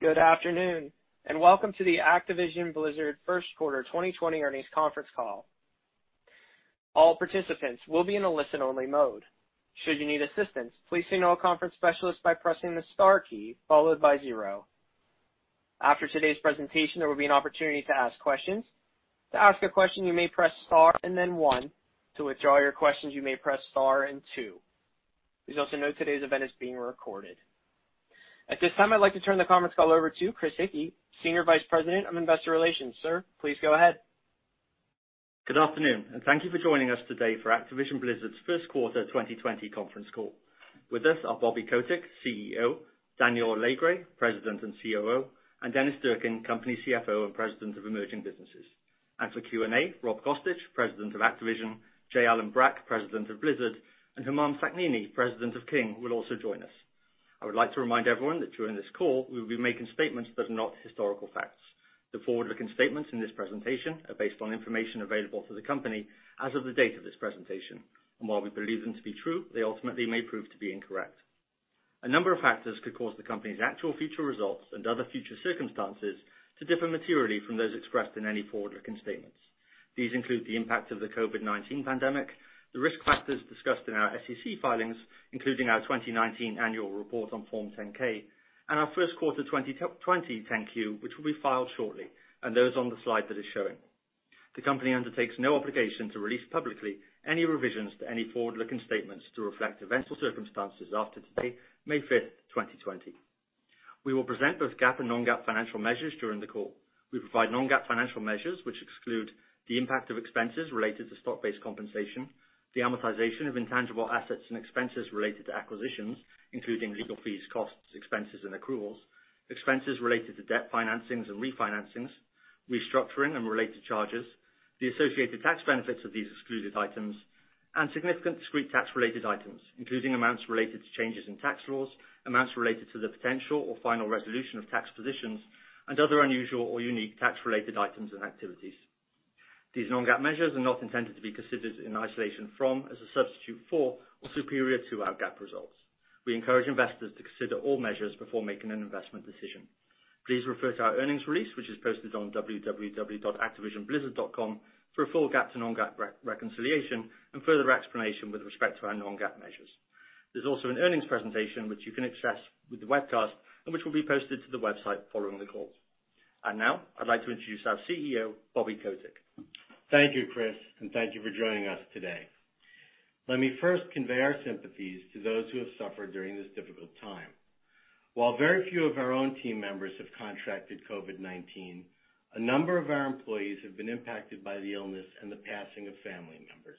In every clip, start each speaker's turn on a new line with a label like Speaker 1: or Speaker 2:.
Speaker 1: Good afternoon, welcome to the Activision Blizzard first quarter 2020 earnings conference call. All participants will be in a listen-only mode. Should you need assistance, please signal a conference specialist by pressing the star key followed by zero. After today's presentation, there will be an opportunity to ask questions. To ask a question, you may press star and then one. To withdraw your questions, you may press star and two. Please also note today's event is being recorded. At this time, I'd like to turn the conference call over to Chris Hickey, Senior Vice President of Investor Relations. Sir, please go ahead.
Speaker 2: Good afternoon, and thank you for joining us today for Activision Blizzard's first quarter 2020 conference call. With us are Bobby Kotick, CEO, Daniel Alegre, President and COO, and Dennis Durkin, Company CFO and President of Emerging Businesses. For Q&A, Rob Kostich, President of Activision, J. Allen Brack, President of Blizzard, and Humam Sakhnini, President of King, will also join us. I would like to remind everyone that during this call, we will be making statements that are not historical facts. The forward-looking statements in this presentation are based on information available to the company as of the date of this presentation, and while we believe them to be true, they ultimately may prove to be incorrect. A number of factors could cause the company's actual future results and other future circumstances to differ materially from those expressed in any forward-looking statements. These include the impact of the COVID-19 pandemic, the risk factors discussed in our SEC filings, including our 2019 annual report on Form 10-K and our first quarter 2020 10-Q, which will be filed shortly, and those on the slide that is showing. The company undertakes no obligation to release publicly any revisions to any forward-looking statements to reflect events or circumstances after today, May 5th, 2020. We will present both GAAP and non-GAAP financial measures during the call. We provide non-GAAP financial measures which exclude the impact of expenses related to stock-based compensation, the amortization of intangible assets, and expenses related to acquisitions, including legal fees, costs, expenses, and accruals, expenses related to debt financings and refinancings, restructuring and related charges, the associated tax benefits of these excluded items, and significant discrete tax-related items, including amounts related to changes in tax laws, amounts related to the potential or final resolution of tax positions, and other unusual or unique tax-related items and activities. These non-GAAP measures are not intended to be considered in isolation from, as a substitute for, or superior to our GAAP results. We encourage investors to consider all measures before making an investment decision. Please refer to our earnings release, which is posted on www.activisionblizzard.com for a full GAAP to non-GAAP reconciliation and further explanation with respect to our non-GAAP measures. There's also an earnings presentation which you can access with the webcast and which will be posted to the website following the call. Now I'd like to introduce our CEO, Bobby Kotick.
Speaker 3: Thank you, Chris, and thank you for joining us today. Let me first convey our sympathies to those who have suffered during this difficult time. While very few of our own team members have contracted COVID-19, a number of our employees have been impacted by the illness and the passing of family members.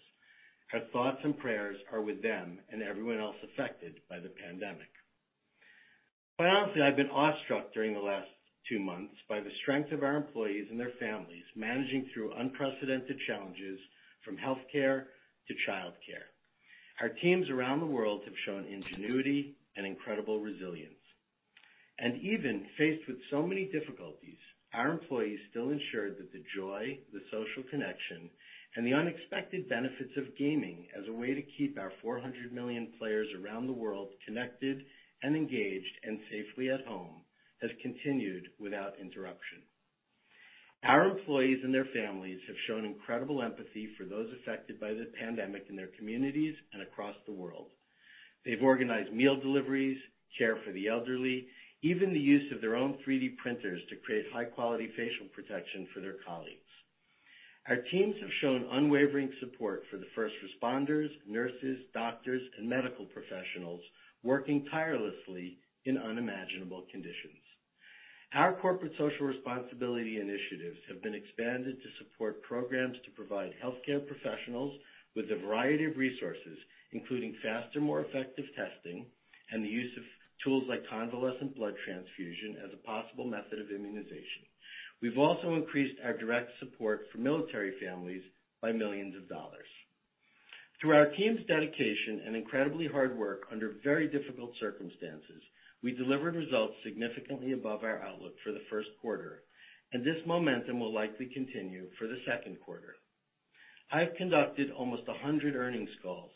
Speaker 3: Our thoughts and prayers are with them and everyone else affected by the pandemic. Quite honestly, I've been awestruck during the last two months by the strength of our employees and their families managing through unprecedented challenges from healthcare to childcare. Our teams around the world have shown ingenuity and incredible resilience. Even faced with so many difficulties, our employees still ensured that the joy, the social connection, and the unexpected benefits of gaming as a way to keep our 400 million players around the world connected and engaged and safely at home has continued without interruption. Our employees and their families have shown incredible empathy for those affected by the pandemic in their communities and across the world. They've organized meal deliveries, care for the elderly, even the use of their own 3D printers to create high-quality facial protection for their colleagues. Our teams have shown unwavering support for the first responders, nurses, doctors, and medical professionals working tirelessly in unimaginable conditions. Our corporate social responsibility initiatives have been expanded to support programs to provide healthcare professionals with a variety of resources, including faster, more effective testing and the use of tools like convalescent blood transfusion as a possible method of immunization. We've also increased our direct support for military families by millions of dollars. Through our team's dedication and incredibly hard work under very difficult circumstances, we delivered results significantly above our outlook for the first quarter, and this momentum will likely continue for the second quarter. I've conducted almost 100 earnings calls,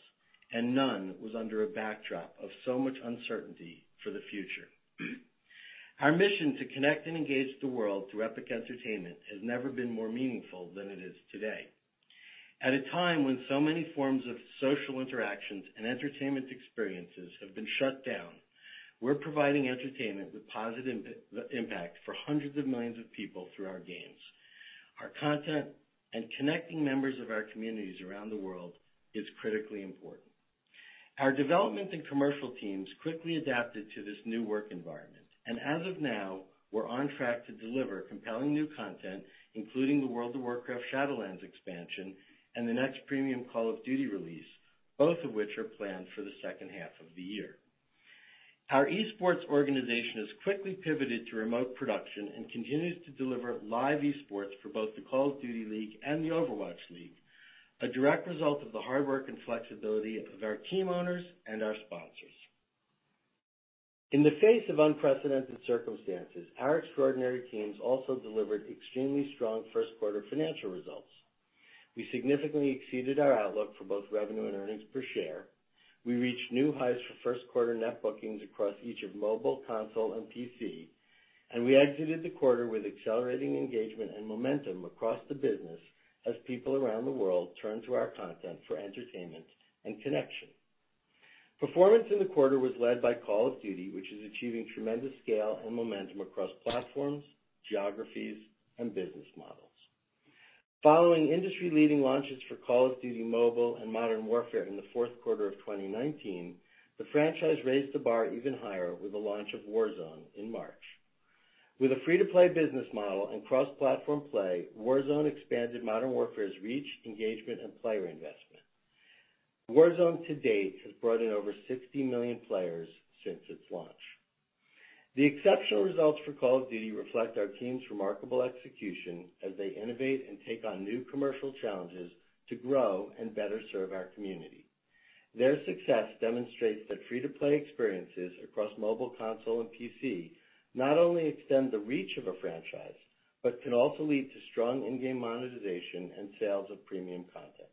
Speaker 3: and none was under a backdrop of so much uncertainty for the future. Our mission to connect and engage the world through epic entertainment has never been more meaningful than it is today. At a time when so many forms of social interactions and entertainment experiences have been shut down, we're providing entertainment with positive impact for hundreds of millions of people through our games. Our content and connecting members of our communities around the world is critically important. Our development and commercial teams quickly adapted to this new work environment. As of now, we're on track to deliver compelling new content, including the World of Warcraft Shadowlands expansion and the next premium Call of Duty release, both of which are planned for the second half of the year. Our esports organization has quickly pivoted to remote production and continues to deliver live esports for both the Call of Duty League and the Overwatch League, a direct result of the hard work and flexibility of our team owners and our sponsors. In the face of unprecedented circumstances, our extraordinary teams also delivered extremely strong first-quarter financial results. We significantly exceeded our outlook for both revenue and earnings per share. We reached new highs for first quarter net bookings across each of mobile, console, and PC. We exited the quarter with accelerating engagement and momentum across the business as people around the world turn to our content for entertainment and connection. Performance in the quarter was led by Call of Duty, which is achieving tremendous scale and momentum across platforms, geographies, and business models. Following industry-leading launches for Call of Duty: Mobile and Modern Warfare in the fourth quarter of 2019, the franchise raised the bar even higher with the launch of Warzone in March. With a free-to-play business model and cross-platform play, Warzone expanded Modern Warfare's reach, engagement, and player investment. Warzone to date has brought in over 60 million players since its launch. The exceptional results for Call of Duty reflect our team's remarkable execution as they innovate and take on new commercial challenges to grow and better serve our community. Their success demonstrates that free-to-play experiences across mobile console and PC not only extend the reach of a franchise, but can also lead to strong in-game monetization and sales of premium content.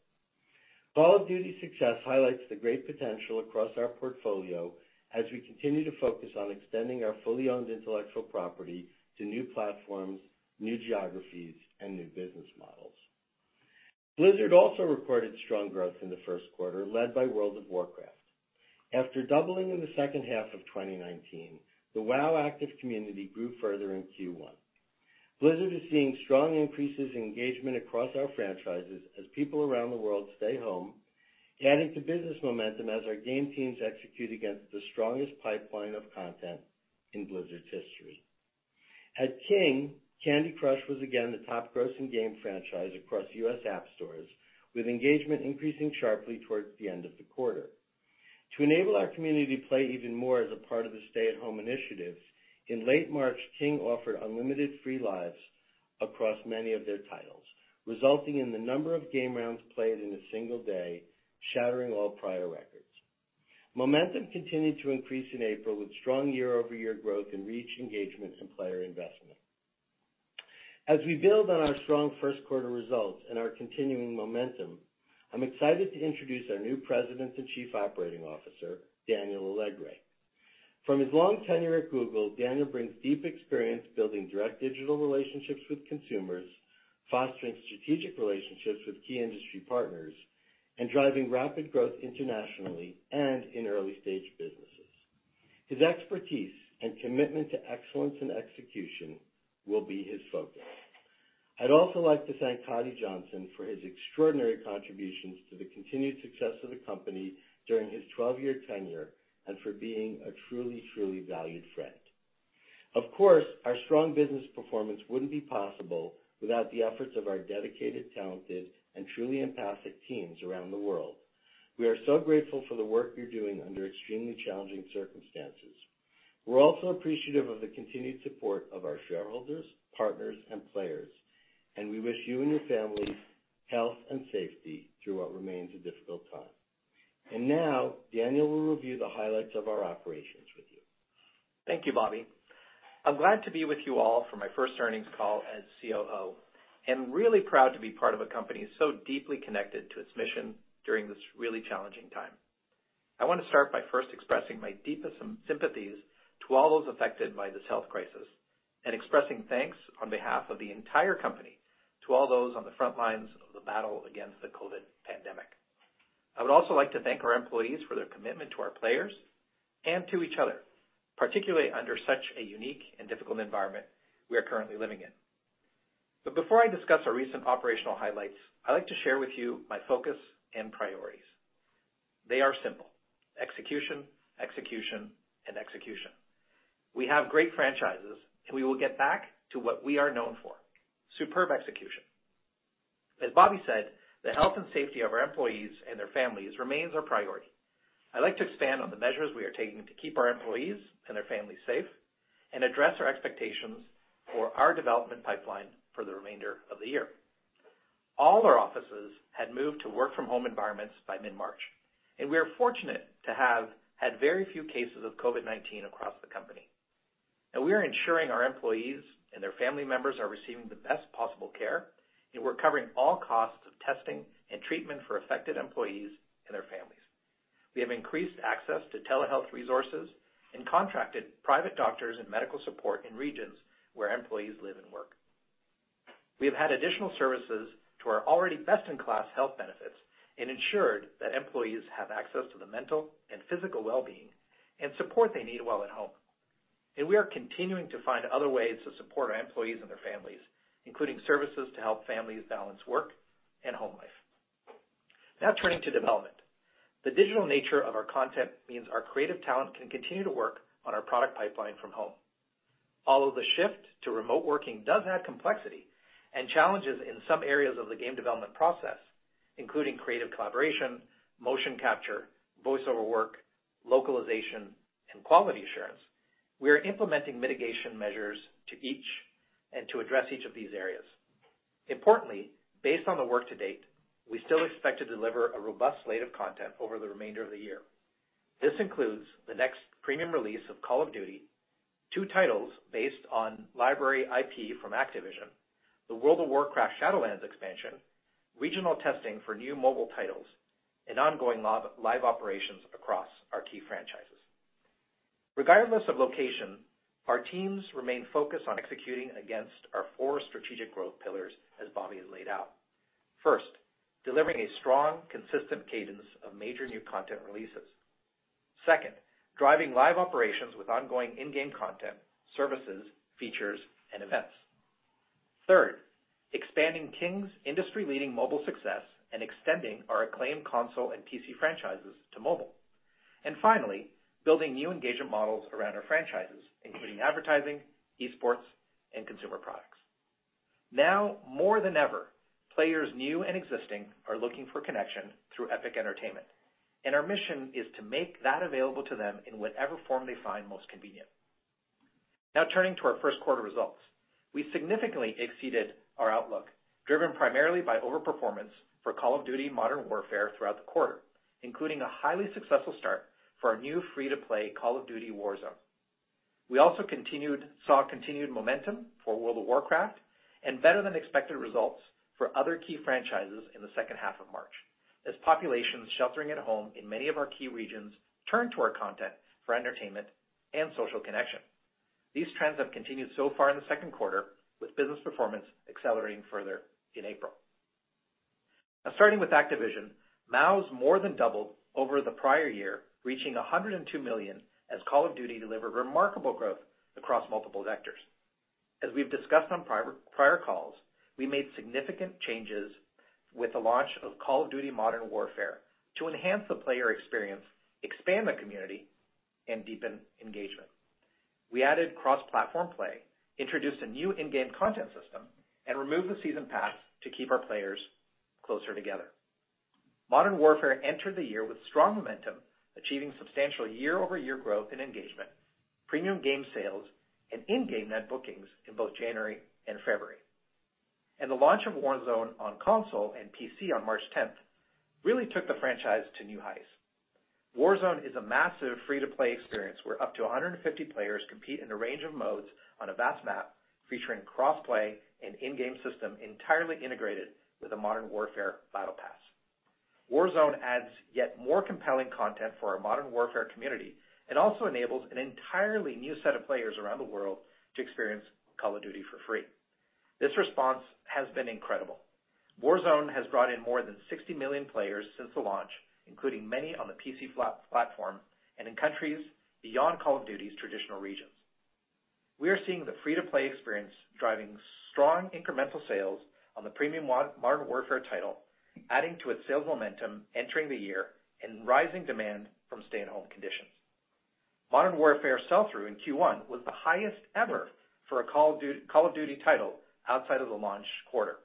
Speaker 3: Call of Duty's success highlights the great potential across our portfolio as we continue to focus on extending our fully owned intellectual property to new platforms, new geographies, and new business models. Blizzard also recorded strong growth in the first quarter, led by World of Warcraft. After doubling in the second half of 2019, the WoW active community grew further in Q1. Blizzard is seeing strong increases in engagement across our franchises as people around the world stay home, adding to business momentum as our game teams execute against the strongest pipeline of content in Blizzard's history. At King, Candy Crush was again the top grossing game franchise across U.S. app stores, with engagement increasing sharply towards the end of the quarter. To enable our community to play even more as a part of the stay-at-home initiatives, in late March, King offered unlimited free lives across many of their titles, resulting in the number of game rounds played in a single day, shattering all prior records. Momentum continued to increase in April with strong year-over-year growth in reach, engagement, and player investment. As we build on our strong first quarter results and our continuing momentum, I'm excited to introduce our new President and Chief Operating Officer, Daniel Alegre. From his long tenure at Google, Daniel brings deep experience building direct digital relationships with consumers, fostering strategic relationships with key industry partners, and driving rapid growth internationally and in early-stage businesses. His expertise and commitment to excellence and execution will be his focus. I'd also like to thank Coddy Johnson for his extraordinary contributions to the continued success of the company during his 12-year tenure, and for being a truly valued friend. Of course, our strong business performance wouldn't be possible without the efforts of our dedicated, talented, and truly empathic teams around the world. We are so grateful for the work you're doing under extremely challenging circumstances. We're also appreciative of the continued support of our shareholders, partners, and players, and we wish you and your families health and safety through what remains a difficult time. Now, Daniel will review the highlights of our operations with you.
Speaker 4: Thank you, Bobby. I'm glad to be with you all for my first earnings call as COO, and really proud to be part of a company so deeply connected to its mission during this really challenging time. I want to start by first expressing my deepest sympathies to all those affected by this health crisis and expressing thanks on behalf of the entire company to all those on the front lines of the battle against the COVID-19 pandemic. I would also like to thank our employees for their commitment to our players and to each other, particularly under such a unique and difficult environment we are currently living in. Before I discuss our recent operational highlights, I'd like to share with you my focus and priorities. They are simple: execution, and execution. We have great franchises, and we will get back to what we are known for, superb execution. As Bobby said, the health and safety of our employees and their families remains our priority. I'd like to expand on the measures we are taking to keep our employees and their families safe and address our expectations for our development pipeline for the remainder of the year. All our offices had moved to work-from-home environments by mid-March, and we are fortunate to have had very few cases of COVID-19 across the company. We are ensuring our employees and their family members are receiving the best possible care, and we're covering all costs of testing and treatment for affected employees and their families. We have increased access to telehealth resources and contracted private doctors and medical support in regions where employees live and work. We have had additional services to our already best-in-class health benefits and ensured that employees have access to the mental and physical wellbeing and support they need while at home. We are continuing to find other ways to support our employees and their families, including services to help families balance work and home life. Now turning to development. The digital nature of our content means our creative talent can continue to work on our product pipeline from home. Although the shift to remote working does add complexity and challenges in some areas of the game development process, including creative collaboration, motion capture, voiceover work, localization, and quality assurance, we are implementing mitigation measures to address each of these areas. Importantly, based on the work to date, we still expect to deliver a robust slate of content over the remainder of the year. This includes the next premium release of Call of Duty, two titles based on library IP from Activision, the World of Warcraft Shadowlands expansion, regional testing for new mobile titles, and ongoing live operations across our key franchises. Regardless of location, our teams remain focused on executing against our four strategic growth pillars, as Bobby has laid out. First, delivering a strong, consistent cadence of major new content releases. Second, driving live operations with ongoing in-game content, services, features, and events. Third, expanding King's industry-leading mobile success and extending our acclaimed console and PC franchises to mobile. Finally, building new engagement models around our franchises, including advertising, esports, and consumer products. Now more than ever, players new and existing are looking for connection through epic entertainment, our mission is to make that available to them in whatever form they find most convenient. Now turning to our first quarter results. We significantly exceeded our outlook, driven primarily by over-performance for Call of Duty: Modern Warfare throughout the quarter, including a highly successful start for our new free-to-play Call of Duty: Warzone. We also saw continued momentum for World of Warcraft and better-than-expected results for other key franchises in the second half of March, as populations sheltering at home in many of our key regions turned to our content for entertainment and social connection. These trends have continued so far in the second quarter, with business performance accelerating further in April. Now starting with Activision. MAUs more than doubled over the prior year, reaching 102 million as Call of Duty delivered remarkable growth across multiple vectors. As we've discussed on prior calls, we made significant changes with the launch of Call of Duty: Modern Warfare to enhance the player experience, expand the community and deepen engagement. We added cross-platform play, introduced a new in-game content system, and removed the season pass to keep our players closer together. Modern Warfare entered the year with strong momentum, achieving substantial year-over-year growth in engagement, premium game sales, and in-game net bookings in both January and February. The launch of Warzone on console and PC on March 10th really took the franchise to new heights. Warzone is a massive free-to-play experience where up to 150 players compete in a range of modes on a vast map featuring cross-play and in-game system entirely integrated with the Modern Warfare Battle Pass. Warzone adds yet more compelling content for our Modern Warfare community and also enables an entirely new set of players around the world to experience Call of Duty for free. This response has been incredible. Warzone has brought in more than 60 million players since the launch, including many on the PC platform and in countries beyond Call of Duty's traditional regions. We are seeing the free-to-play experience driving strong incremental sales on the premium Modern Warfare title, adding to its sales momentum entering the year and rising demand from stay-at-home conditions. Modern Warfare sell-through in Q1 was the highest ever for a Call of Duty title outside of the launch quarter.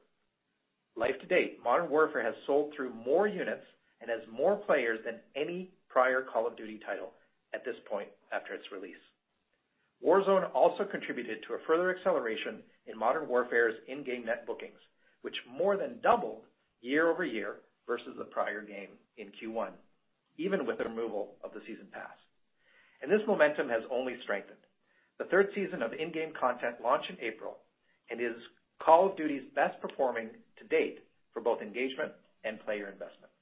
Speaker 4: Life to date, Modern Warfare has sold through more units and has more players than any prior Call of Duty title at this point after its release. Warzone also contributed to a further acceleration in Modern Warfare's in-game net bookings, which more than doubled year-over-year versus the prior game in Q1, even with the removal of the season pass. This momentum has only strengthened. The third season of in-game content launched in April and is Call of Duty's best performing to date for both engagement and player investment.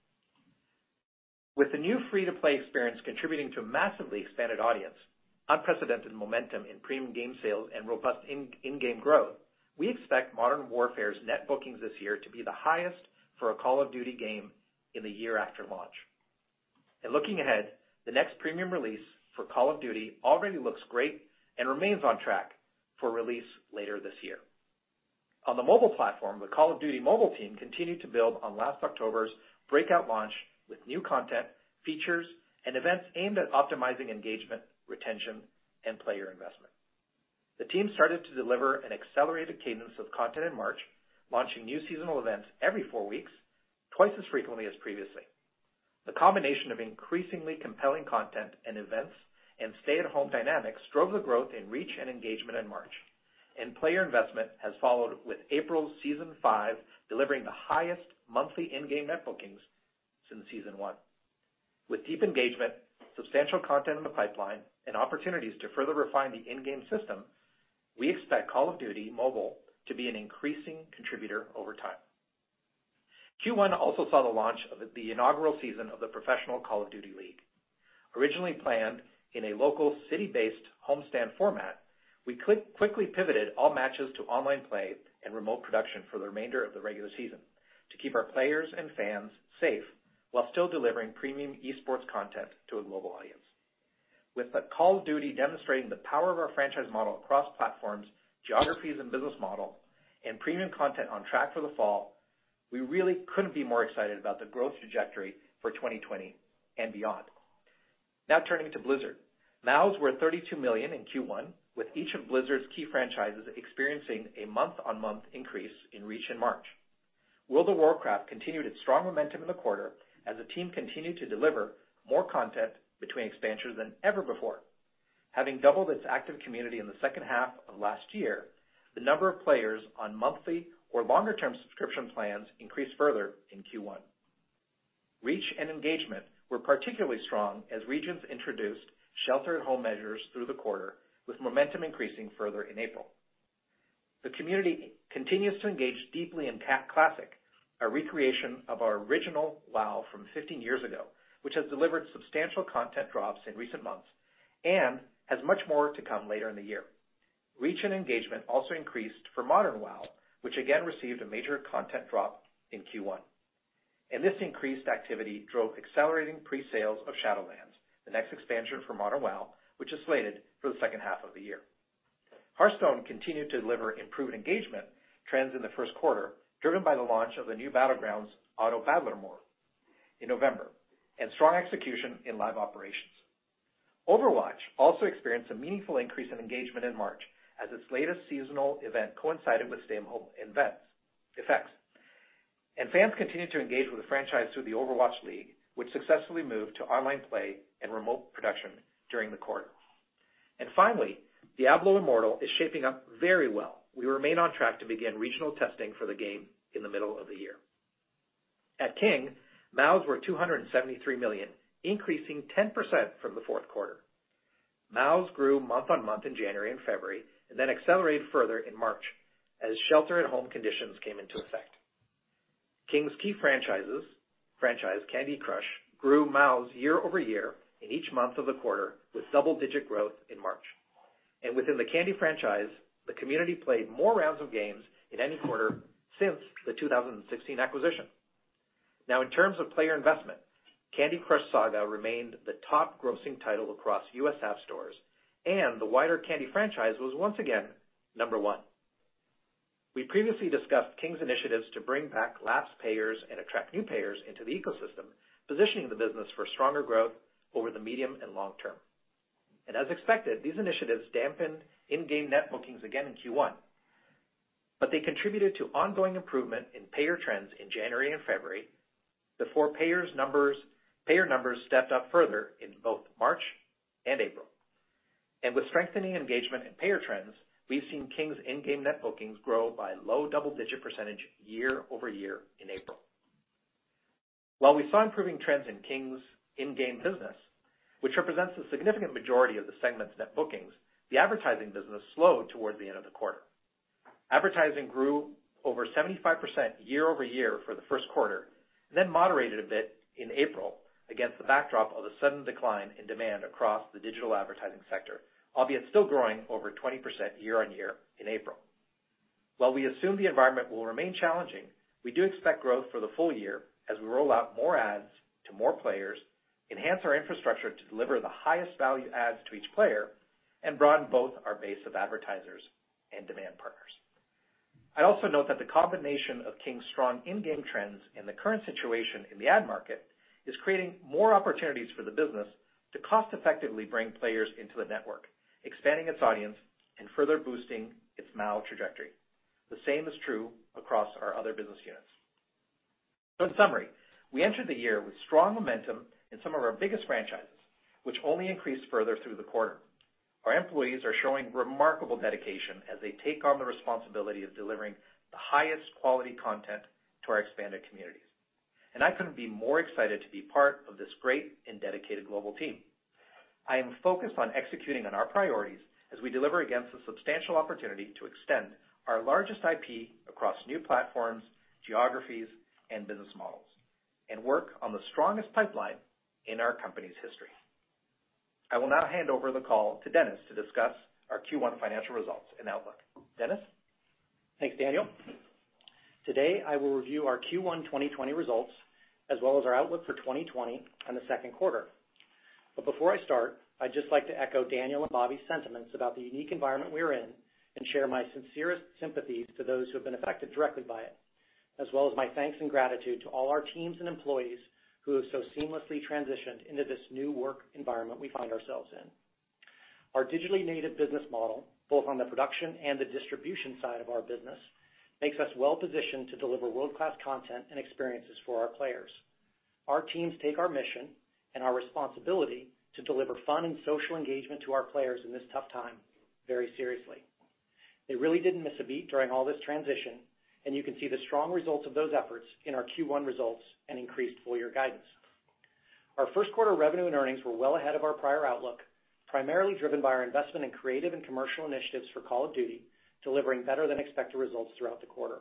Speaker 4: With the new free-to-play experience contributing to a massively expanded audience, unprecedented momentum in premium game sales and robust in-game growth, we expect Modern Warfare's net bookings this year to be the highest for a Call of Duty game in the year after launch. Looking ahead, the next premium release for Call of Duty already looks great and remains on track for release later this year. On the mobile platform, the Call of Duty: Mobile team continued to build on last October's breakout launch with new content, features, and events aimed at optimizing engagement, retention, and player investment. The team started to deliver an accelerated cadence of content in March, launching new seasonal events every four weeks, twice as frequently as previously. The combination of increasingly compelling content and events and stay-at-home dynamics drove the growth in reach and engagement in March, player investment has followed with April's Season Five delivering the highest monthly in-game net bookings since Season One. With deep engagement, substantial content in the pipeline, and opportunities to further refine the in-game system, we expect Call of Duty: Mobile to be an increasing contributor over time. Q1 also saw the launch of the inaugural season of the professional Call of Duty League. Originally planned in a local city-based homestand format, we quickly pivoted all matches to online play and remote production for the remainder of the regular season to keep our players and fans safe while still delivering premium esports content to a global audience. With Call of Duty demonstrating the power of our franchise model across platforms, geographies, and business model, and premium content on track for the fall, we really couldn't be more excited about the growth trajectory for 2020 and beyond. Now turning to Blizzard. MAUs were 32 million in Q1, with each of Blizzard's key franchises experiencing a month-on-month increase in reach in March. World of Warcraft continued its strong momentum in the quarter as the team continued to deliver more content between expansions than ever before. Having doubled its active community in the second half of last year, the number of players on monthly or longer-term subscription plans increased further in Q1. Reach and engagement were particularly strong as regions introduced shelter-at-home measures through the quarter, with momentum increasing further in April. The community continues to engage deeply in Classic, a recreation of our original WoW from 15 years ago, which has delivered substantial content drops in recent months and has much more to come later in the year. Reach and engagement also increased for modern WoW, which again received a major content drop in Q1, and this increased activity drove accelerating pre-sales of Shadowlands, the next expansion for modern WoW, which is slated for the second half of the year. Hearthstone continued to deliver improved engagement trends in the first quarter, driven by the launch of the new Battlegrounds auto battler mode in November and strong execution in live operations. Overwatch also experienced a meaningful increase in engagement in March as its latest seasonal event coincided with stay-at-home effects. Fans continued to engage with the franchise through the Overwatch League, which successfully moved to online play and remote production during the quarter. Finally, Diablo Immortal is shaping up very well. We remain on track to begin regional testing for the game in the middle of the year. At King, MAUs were 273 million, increasing 10% from the fourth quarter. MAUs grew month-on-month in January and February and then accelerated further in March as shelter-at-home conditions came into effect. King's key franchise, Candy Crush, grew MAUs year-over-year in each month of the quarter, with double-digit growth in March. Within the Candy franchise, the community played more rounds of games in any quarter since the 2016 acquisition. Now, in terms of player investment, Candy Crush Saga remained the top grossing title across U.S. app stores, and the wider Candy franchise was once again number one. We previously discussed King's initiatives to bring back lapsed payers and attract new payers into the ecosystem, positioning the business for stronger growth over the medium and long term. As expected, these initiatives dampened in-game net bookings again in Q1, but they contributed to ongoing improvement in payer trends in January and February, before payer numbers stepped up further in both March and April. With strengthening engagement and payer trends, we've seen King's in-game net bookings grow by low double-digit percentage year-over-year in April. While we saw improving trends in King's in-game business, which represents a significant majority of the segment's net bookings, the advertising business slowed towards the end of the quarter. Advertising grew over 75% year-over-year for the first quarter, and then moderated a bit in April against the backdrop of a sudden decline in demand across the digital advertising sector, albeit still growing over 20% year-on-year in April. While we assume the environment will remain challenging, we do expect growth for the full year as we roll out more ads to more players, enhance our infrastructure to deliver the highest value ads to each player, and broaden both our base of advertisers and demand partners. I'd also note that the combination of King's strong in-game trends and the current situation in the ad market is creating more opportunities for the business to cost effectively bring players into the network, expanding its audience and further boosting its MAU trajectory. The same is true across our other business units. In summary, we entered the year with strong momentum in some of our biggest franchises, which only increased further through the quarter. Our employees are showing remarkable dedication as they take on the responsibility of delivering the highest quality content to our expanded communities. I couldn't be more excited to be part of this great and dedicated global team. I am focused on executing on our priorities as we deliver against the substantial opportunity to extend our largest IP across new platforms, geographies, and business models, and work on the strongest pipeline in our company's history. I will now hand over the call to Dennis to discuss our Q1 financial results and outlook. Dennis?
Speaker 5: Thanks, Daniel. Today, I will review our Q1 2020 results as well as our outlook for 2020 and the second quarter. Before I start, I'd just like to echo Daniel and Bobby's sentiments about the unique environment we are in and share my sincerest sympathies to those who have been affected directly by it, as well as my thanks and gratitude to all our teams and employees who have so seamlessly transitioned into this new work environment we find ourselves in. Our digitally native business model, both on the production and the distribution side of our business, makes us well positioned to deliver world-class content and experiences for our players. Our teams take our mission and our responsibility to deliver fun and social engagement to our players in this tough time very seriously. They really didn't miss a beat during all this transition, and you can see the strong results of those efforts in our Q1 results and increased full-year guidance. Our first quarter revenue and earnings were well ahead of our prior outlook, primarily driven by our investment in creative and commercial initiatives for Call of Duty, delivering better than expected results throughout the quarter.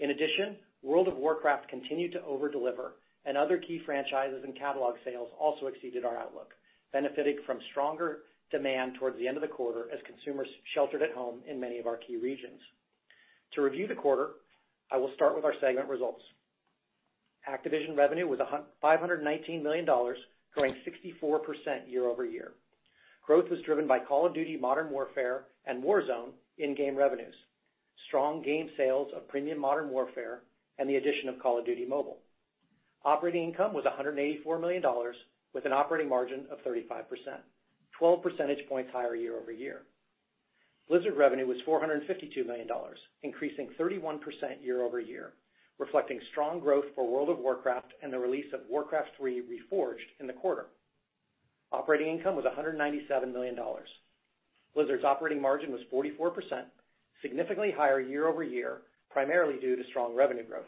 Speaker 5: In addition, World of Warcraft continued to over-deliver, and other key franchises and catalog sales also exceeded our outlook, benefiting from stronger demand towards the end of the quarter as consumers sheltered at home in many of our key regions. To review the quarter, I will start with our segment results. Activision revenue was $519 million, growing 64% year-over-year. Growth was driven by Call of Duty: Modern Warfare and Warzone in-game revenues, strong game sales of premium Modern Warfare, and the addition of Call of Duty: Mobile. Operating income was $184 million, with an operating margin of 35%, 12 percentage points higher year-over-year. Blizzard revenue was $452 million, increasing 31% year-over-year, reflecting strong growth for World of Warcraft and the release of Warcraft III: Reforged in the quarter. Operating income was $197 million. Blizzard's operating margin was 44%, significantly higher year-over-year, primarily due to strong revenue growth.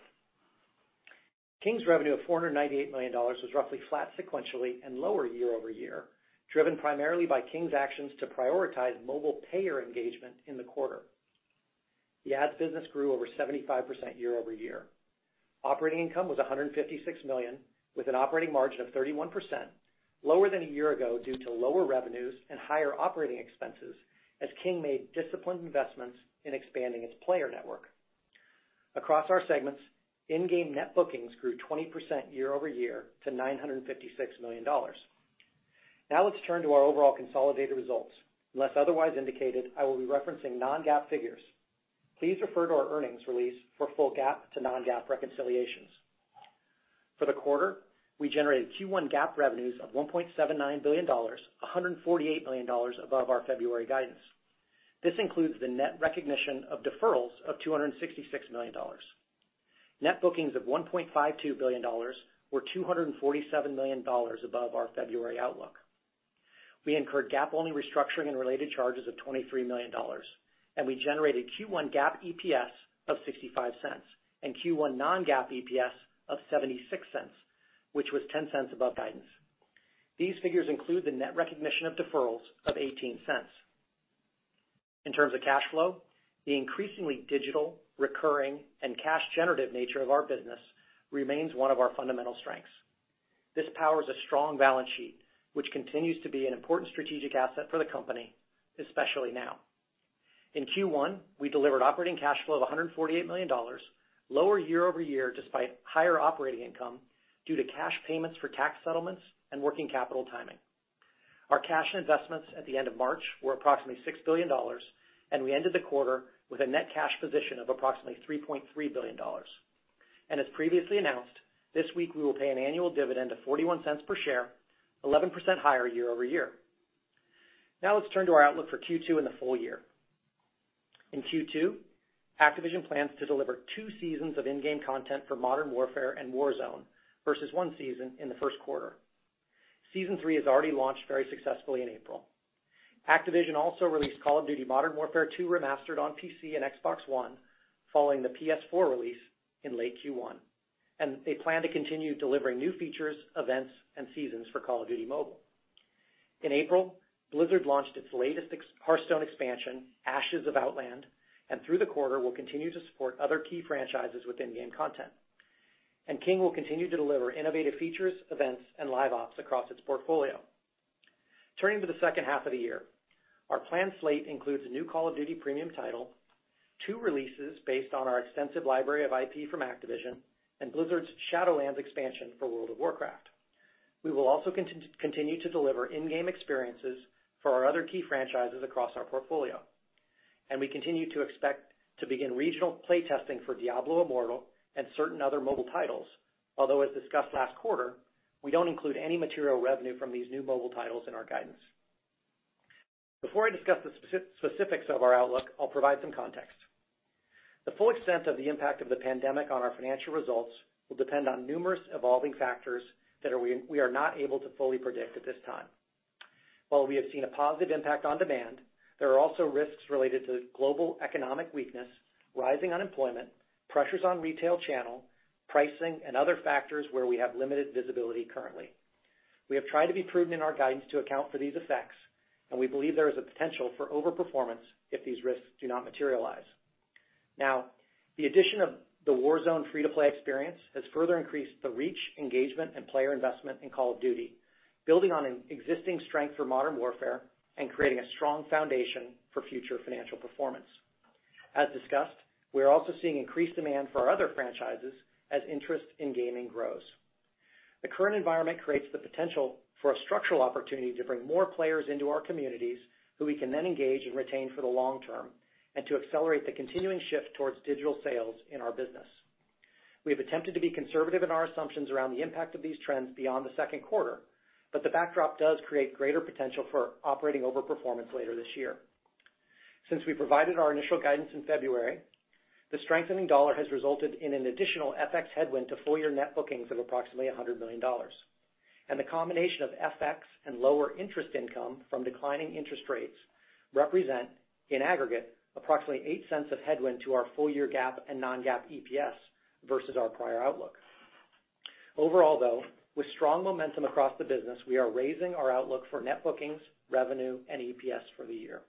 Speaker 5: King's revenue of $498 million was roughly flat sequentially and lower year-over-year, driven primarily by King's actions to prioritize mobile payer engagement in the quarter. The ads business grew over 75% year-over-year. Operating income was $156 million, with an operating margin of 31%, lower than one year ago due to lower revenues and higher operating expenses as King made disciplined investments in expanding its player network. Across our segments, in-game net bookings grew 20% year-over-year to $956 million. Now let's turn to our overall consolidated results. Unless otherwise indicated, I will be referencing non-GAAP figures. Please refer to our earnings release for full GAAP to non-GAAP reconciliations. For the quarter, we generated Q1 GAAP revenues of $1.79 billion, $148 million above our February guidance. This includes the net recognition of deferrals of $266 million. Net bookings of $1.52 billion were $247 million above our February outlook. We incurred GAAP-only restructuring and related charges of $23 million, and we generated Q1 GAAP EPS of $0.65 and Q1 non-GAAP EPS of $0.76, which was $0.10 above guidance. These figures include the net recognition of deferrals of $0.18. In terms of cash flow, the increasingly digital, recurring, and cash generative nature of our business remains one of our fundamental strengths. This powers a strong balance sheet, which continues to be an important strategic asset for the company, especially now. In Q1, we delivered operating cash flow of $148 million, lower year-over-year despite higher operating income due to cash payments for tax settlements and working capital timing. Our cash investments at the end of March were approximately $6 billion, we ended the quarter with a net cash position of approximately $3.3 billion. As previously announced, this week we will pay an annual dividend of $0.41 per share, 11% higher year-over-year. Now let's turn to our outlook for Q2 and the full year. In Q2, Activision plans to deliver two seasons of in-game content for Modern Warfare and Warzone versus one season in the first quarter. Season Three has already launched very successfully in April. Activision also released Call of Duty: Modern Warfare 2 Campaign Remastered on PC and Xbox One, following the PS4 release in late Q1. They plan to continue delivering new features, events, and seasons for Call of Duty: Mobile. In April, Blizzard launched its latest Hearthstone expansion, Ashes of Outland, and through the quarter, will continue to support other key franchises with in-game content. King will continue to deliver innovative features, events, and live ops across its portfolio. Turning to the second half of the year, our planned slate includes a new Call of Duty premium title, two releases based on our extensive library of IP from Activision, and Blizzard's Shadowlands expansion for World of Warcraft. We will also continue to deliver in-game experiences for our other key franchises across our portfolio. We continue to expect to begin regional play testing for Diablo Immortal and certain other mobile titles. As discussed last quarter, we don't include any material revenue from these new mobile titles in our guidance. Before I discuss the specifics of our outlook, I'll provide some context. The full extent of the impact of the pandemic on our financial results will depend on numerous evolving factors that we are not able to fully predict at this time. While we have seen a positive impact on demand, there are also risks related to global economic weakness, rising unemployment, pressures on retail channel, pricing, and other factors where we have limited visibility currently. We have tried to be prudent in our guidance to account for these effects, and we believe there is a potential for over-performance if these risks do not materialize. Now, the addition of the Warzone free-to-play experience has further increased the reach, engagement, and player investment in Call of Duty, building on an existing strength for Modern Warfare and creating a strong foundation for future financial performance. As discussed, we are also seeing increased demand for our other franchises as interest in gaming grows. The current environment creates the potential for a structural opportunity to bring more players into our communities who we can then engage and retain for the long term and to accelerate the continuing shift towards digital sales in our business. We have attempted to be conservative in our assumptions around the impact of these trends beyond the second quarter, but the backdrop does create greater potential for operating over performance later this year. Since we provided our initial guidance in February, the strengthening dollar has resulted in an additional FX headwind to full year net bookings of approximately $100 million. The combination of FX and lower interest income from declining interest rates represent, in aggregate, approximately $0.08 of headwind to our full year GAAP and non-GAAP EPS versus our prior outlook. Overall, though, with strong momentum across the business, we are raising our outlook for net bookings, revenue, and EPS for the year.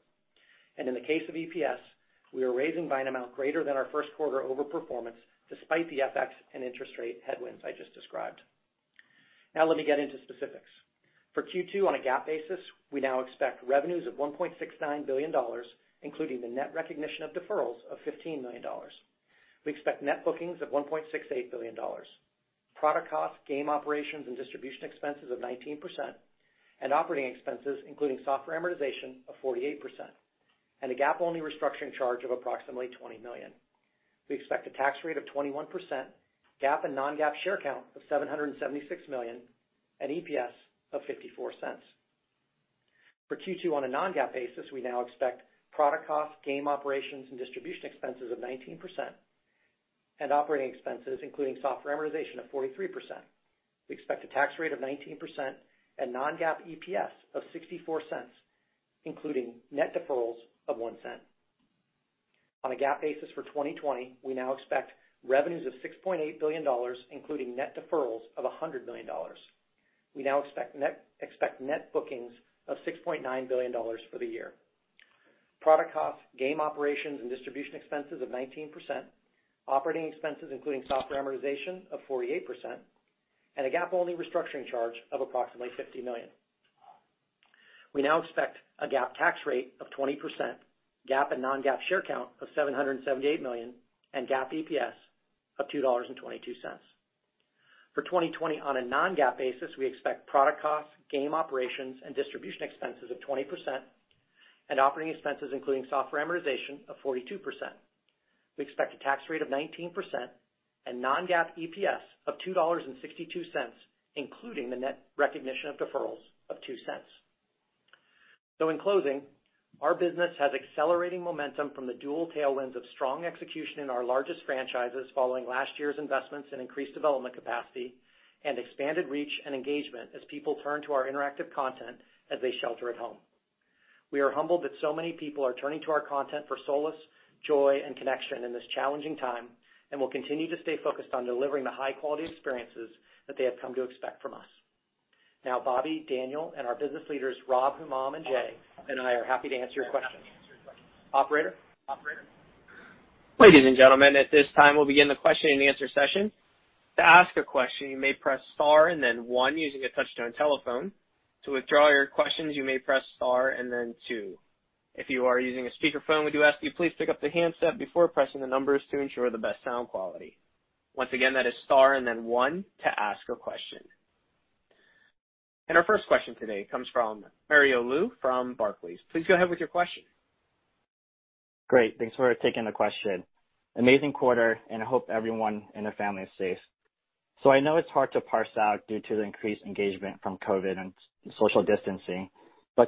Speaker 5: In the case of EPS, we are raising by an amount greater than our first quarter over performance despite the FX and interest rate headwinds I just described. Let me get into specifics. For Q2 on a GAAP basis, we now expect revenues of $1.69 billion, including the net recognition of deferrals of $15 million. We expect net bookings of $1.68 billion. Product cost, game operations, and distribution expenses of 19%, and operating expenses, including software amortization, of 48%, and a GAAP-only restructuring charge of approximately $20 million. We expect a tax rate of 21%, GAAP and non-GAAP share count of 776 million, and EPS of $0.54. For Q2 on a non-GAAP basis, we now expect product cost, game operations, and distribution expenses of 19%, and operating expenses, including software amortization, of 43%. We expect a tax rate of 19% and non-GAAP EPS of $0.64, including net deferrals of $0.01. On a GAAP basis for 2020, we now expect revenues of $6.8 billion, including net deferrals of $100 million. We now expect net bookings of $6.9 billion for the year. Product costs, game operations, and distribution expenses of 19%, operating expenses, including software amortization, of 48%, and a GAAP-only restructuring charge of approximately $50 million. We now expect a GAAP tax rate of 20%, GAAP and non-GAAP share count of 778 million, and GAAP EPS of $2.22. For 2020 on a non-GAAP basis, we expect product costs, game operations, and distribution expenses of 20%, and operating expenses, including software amortization, of 42%. We expect a tax rate of 19% and non-GAAP EPS of $2.62, including the net recognition of deferrals of $0.02. In closing, our business has accelerating momentum from the dual tailwinds of strong execution in our largest franchises following last year's investments in increased development capacity and expanded reach and engagement as people turn to our interactive content as they shelter-at-home. We are humbled that so many people are turning to our content for solace, joy, and connection in this challenging time, and we'll continue to stay focused on delivering the high-quality experiences that they have come to expect from us. Now, Bobby, Daniel, and our business leaders, Rob, Humam, and Jay, and I are happy to answer your questions. Operator?
Speaker 1: Ladies and gentlemen, at this time, we'll begin the question and answer session. To ask a question, you may press star and then one using a touch-tone telephone. To withdraw your questions, you may press star and then two. If you are using a speakerphone, we do ask you please pick up the handset before pressing the numbers to ensure the best sound quality. Once again, that is star and then one to ask a question. Our first question today comes from Mario Lu from Barclays. Please go ahead with your question.
Speaker 6: Great. Thanks for taking the question. Amazing quarter. I hope everyone in the family is safe. I know it's hard to parse out due to the increased engagement from COVID and social distancing,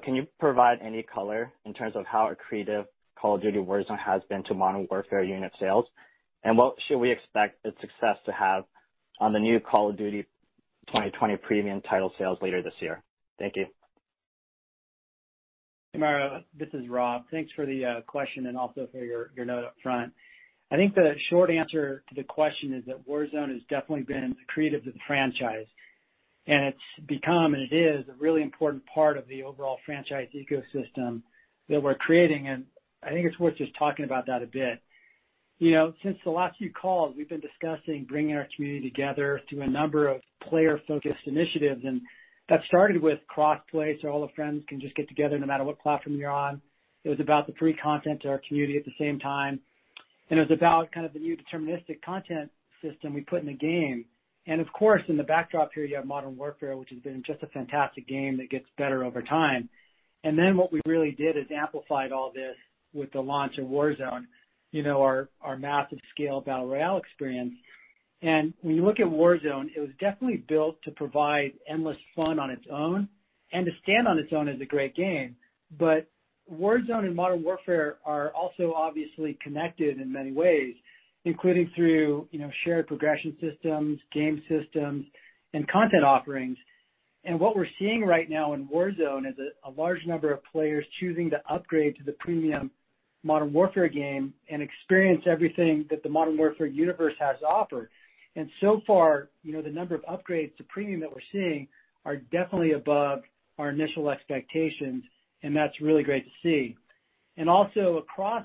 Speaker 6: can you provide any color in terms of how accretive Call of Duty: Warzone has been to Modern Warfare unit sales? What should we expect its success to have on the new Call of Duty 2020 premium title sales later this year? Thank you.
Speaker 7: Hey, Mario. This is Rob. Thanks for the question and also for your note up front. I think the short answer to the question is that Warzone has definitely been accretive to the franchise, and it's become, and it is, a really important part of the overall franchise ecosystem that we're creating, and I think it's worth just talking about that a bit. Since the last few calls, we've been discussing bringing our community together through a number of player-focused initiatives. That started with cross-play, so all the friends can just get together no matter what platform you're on. It was about the free content to our community at the same time. It was about the new deterministic content system we put in the game. Of course, in the backdrop here, you have Modern Warfare, which has been just a fantastic game that gets better over time. What we really did is amplified all this with the launch of Warzone, our massive scale battle royale experience. When you look at Warzone, it was definitely built to provide endless fun on its own and to stand on its own as a great game. Warzone and Modern Warfare are also obviously connected in many ways, including through shared progression systems, game systems, and content offerings. What we're seeing right now in Warzone is a large number of players choosing to upgrade to the premium Modern Warfare game and experience everything that the Modern Warfare universe has to offer. The number of upgrades to premium that we're seeing are definitely above our initial expectations, and that's really great to see. Also across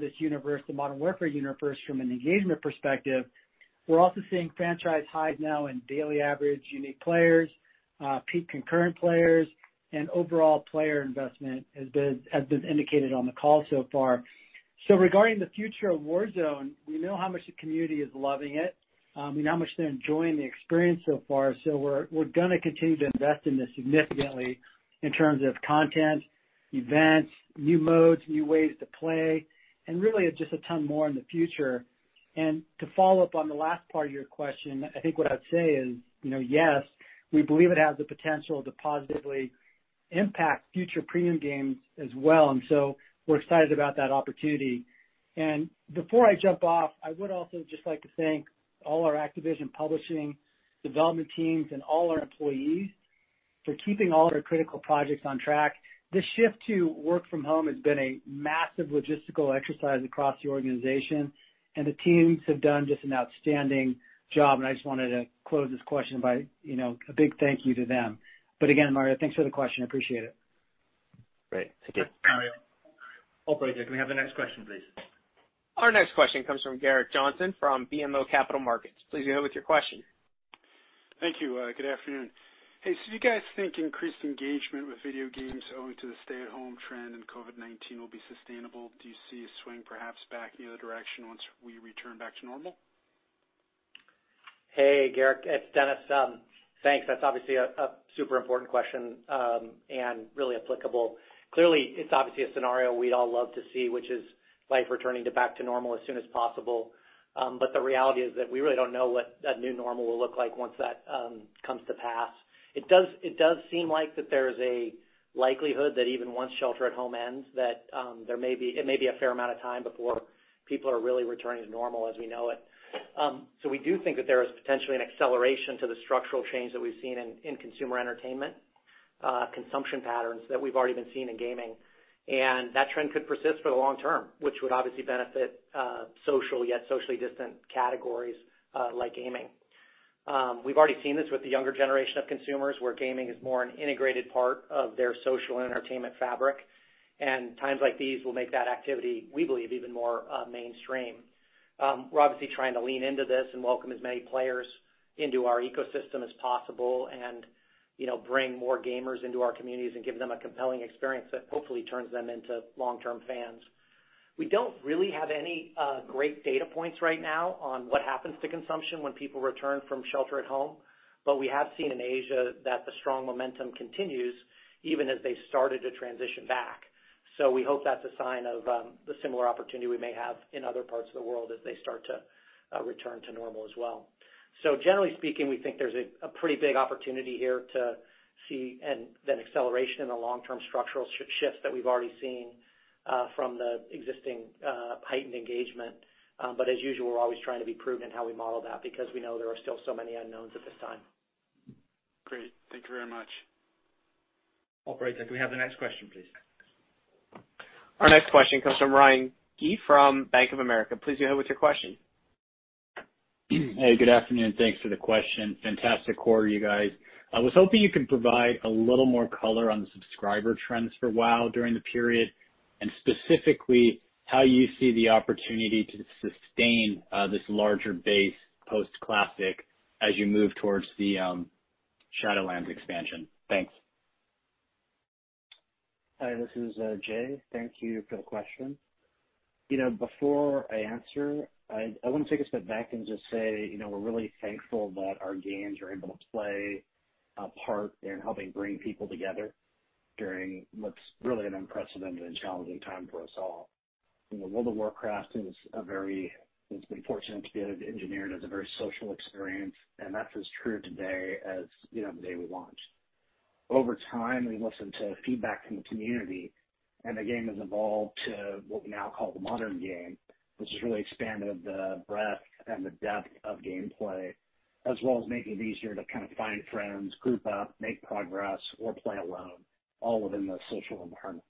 Speaker 7: this universe, the Modern Warfare universe, from an engagement perspective, we're also seeing franchise highs now in daily average unique players, peak concurrent players, and overall player investment, as has been indicated on the call so far. Regarding the future of Warzone, we know how much the community is loving it. We know how much they're enjoying the experience so far. We're going to continue to invest in this significantly in terms of content, events, new modes, new ways to play, and really just a ton more in the future. To follow up on the last part of your question, I think what I'd say is, yes, we believe it has the potential to positively impact future premium games as well, we're excited about that opportunity. Before I jump off, I would also just like to thank all our Activision publishing development teams and all our employees for keeping all of their critical projects on track. This shift to work from home has been a massive logistical exercise across the organization, and the teams have done just an outstanding job, and I just wanted to close this question by a big thank you to them. Again, Mario, thanks for the question. Appreciate it.
Speaker 6: Great. Thank you.
Speaker 2: Thanks, Mario. Operator, can we have the next question, please?
Speaker 1: Our next question comes from Gerrick Johnson from BMO Capital Markets. Please go ahead with your question.
Speaker 8: Thank you. Good afternoon. Hey, do you guys think increased engagement with video games owing to the stay-at-home trend and COVID-19 will be sustainable? Do you see a swing perhaps back the other direction once we return back to normal?
Speaker 5: Hey, Gerrick, it's Dennis. Thanks. That's obviously a super important question, and really applicable. Clearly, it's obviously a scenario we'd all love to see, which is life returning to back to normal as soon as possible. The reality is that we really don't know what that new normal will look like once that comes to pass. It does seem like that there is a likelihood that even once shelter-at-home ends, that it may be a fair amount of time before people are really returning to normal as we know it. We do think that there is potentially an acceleration to the structural change that we've seen in consumer entertainment consumption patterns that we've already been seeing in gaming. That trend could persist for the long term, which would obviously benefit social, yet socially distant categories, like gaming. We've already seen this with the younger generation of consumers, where gaming is more an integrated part of their social and entertainment fabric. Times like these will make that activity, we believe, even more mainstream. We're obviously trying to lean into this and welcome as many players into our ecosystem as possible and bring more gamers into our communities and give them a compelling experience that hopefully turns them into long-term fans. We don't really have any great data points right now on what happens to consumption when people return from shelter-at-home. We have seen in Asia that the strong momentum continues even as they started to transition back. We hope that's a sign of the similar opportunity we may have in other parts of the world as they start to return to normal as well. Generally speaking, we think there's a pretty big opportunity here to see an acceleration in the long-term structural shifts that we've already seen from the existing heightened engagement. As usual, we're always trying to be prudent in how we model that because we know there are still so many unknowns at this time.
Speaker 8: Great. Thank you very much.
Speaker 2: Operator, can we have the next question, please?
Speaker 1: Our next question comes from Ryan Gee from Bank of America. Please go ahead with your question.
Speaker 9: Hey, good afternoon. Thanks for the question. Fantastic quarter, you guys. I was hoping you could provide a little more color on the subscriber trends for WoW during the period, and specifically how you see the opportunity to sustain this larger base post-Classic as you move towards the Shadowlands expansion. Thanks.
Speaker 10: Hi, this is Jay. Thank you for the question. Before I answer, I want to take a step back and just say we're really thankful that our games are able to play a part in helping bring people together during what's really an unprecedented and challenging time for us all. World of Warcraft has been fortunate to be engineered as a very social experience, and that's as true today as the day we launched. Over time, we listened to feedback from the community, and the game has evolved to what we now call the modern game, which has really expanded the breadth and the depth of gameplay, as well as make it easier to kind of find friends, group up, make progress, or play alone, all within the social environment.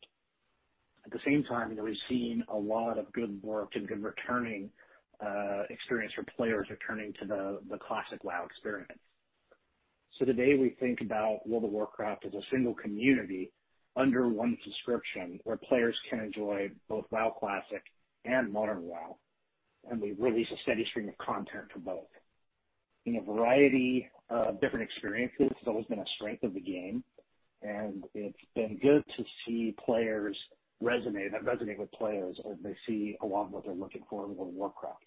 Speaker 10: At the same time, we've seen a lot of good work and good returning experience for players returning to the Classic WoW experience. Today we think about World of Warcraft as a single community under one subscription where players can enjoy both WoW Classic and modern WoW, and we release a steady stream of content for both. A variety of different experiences has always been a strength of the game, and it's been good to see players resonate, that resonate with players, or they see a lot of what they're looking for in World of Warcraft.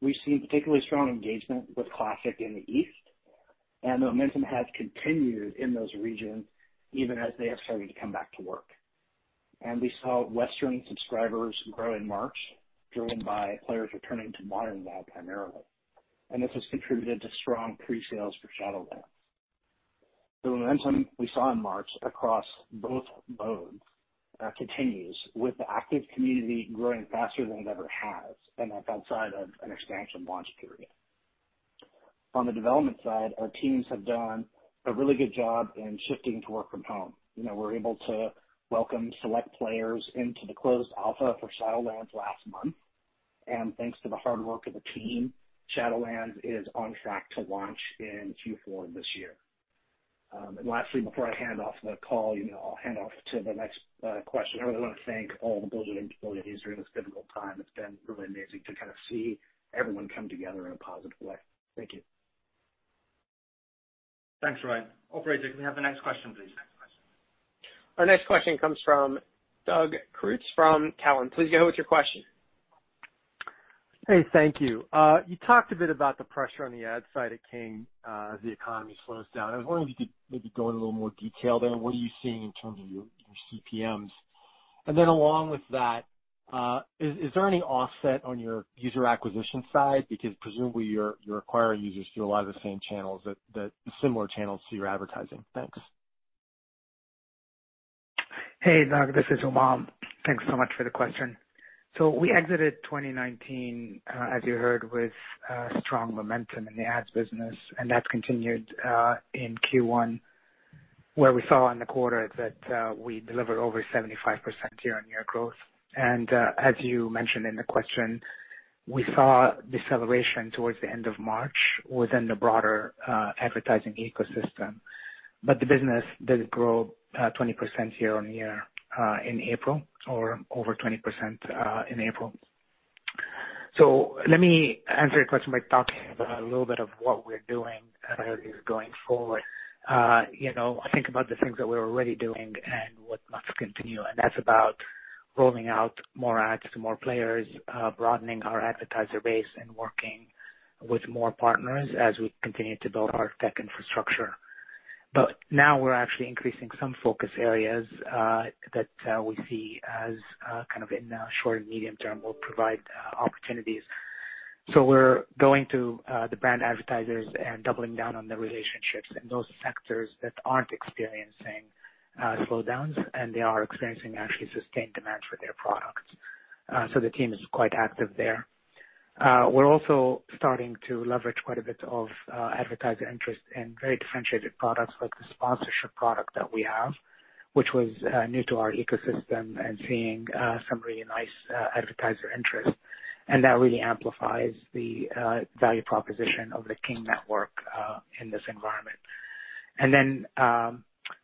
Speaker 10: We've seen particularly strong engagement with Classic in the East, and the momentum has continued in those regions even as they have started to come back to work. We saw Western subscribers grow in March, driven by players returning to modern WoW primarily, and this has contributed to strong pre-sales for Shadowlands. The momentum we saw in March across both modes continues, with the active community growing faster than it ever has, and that's outside of an expansion launch period. On the development side, our teams have done a really good job in shifting to work from home. We were able to welcome select players into the closed alpha for Shadowlands last month. Thanks to the hard work of the team, Shadowlands is on track to launch in Q4 of this year. Lastly, before I hand off the call, I'll hand off to the next question. I really want to thank all the Blizzard employees during this difficult time. It's been really amazing to kind of see everyone come together in a positive way. Thank you.
Speaker 2: Thanks, Ryan. Operator, can we have the next question, please?
Speaker 1: Our next question comes from Doug Creutz from Cowen. Please go ahead with your question.
Speaker 11: Hey, thank you. You talked a bit about the pressure on the ad side at King as the economy slows down. I was wondering if you could maybe go in a little more detail there. What are you seeing in terms of your CPMs? Along with that, is there any offset on your user acquisition side? Presumably you're acquiring users through a lot of the same channels, the similar channels to your advertising. Thanks.
Speaker 12: Hey, Doug. This is Humam. Thanks so much for the question. We exited 2019, as you heard, with strong momentum in the ads business, and that continued in Q1, where we saw in the quarter that we delivered over 75% year-on-year growth. As you mentioned in the question, we saw deceleration towards the end of March within the broader advertising ecosystem. The business did grow 20% year-on-year in April, or over 20% in April. Let me answer your question by talking about a little bit of what we're doing as it is going forward. I think about the things that we're already doing and what must continue, and that's about rolling out more ads to more players, broadening our advertiser base, and working with more partners as we continue to build our tech infrastructure. Now we're actually increasing some focus areas that we see as, in the short and medium term, will provide opportunities. We're going to the brand advertisers and doubling down on the relationships in those sectors that aren't experiencing slowdowns, and they are experiencing actually sustained demand for their products. The team is quite active there. We're also starting to leverage quite a bit of advertiser interest in very differentiated products, like the sponsorship product that we have, which was new to our ecosystem, and seeing some really nice advertiser interest. That really amplifies the value proposition of the King network in this environment.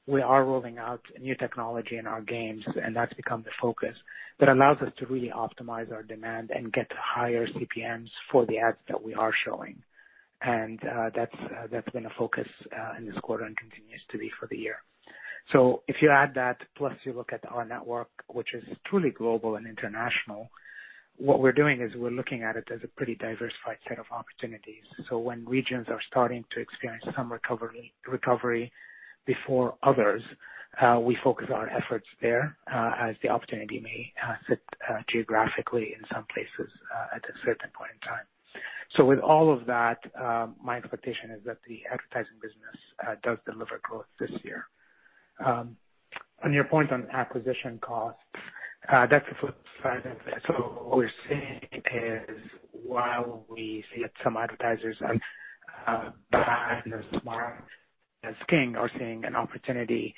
Speaker 12: We are rolling out new technology in our games, and that's become the focus. That allows us to really optimize our demand and get higher CPMs for the ads that we are showing. That's been a focus in this quarter and continues to be for the year. If you add that, plus you look at our network, which is truly global and international, what we're doing is we're looking at it as a pretty diversified set of opportunities. When regions are starting to experience some recovery before others, we focus our efforts there, as the opportunity may sit geographically in some places at a certain point in time. With all of that, my expectation is that the advertising business does deliver growth this year. On your point on acquisition costs, that's the flip side of it. What we're seeing is while we see that some advertisers are buying and are smart, as King are seeing an opportunity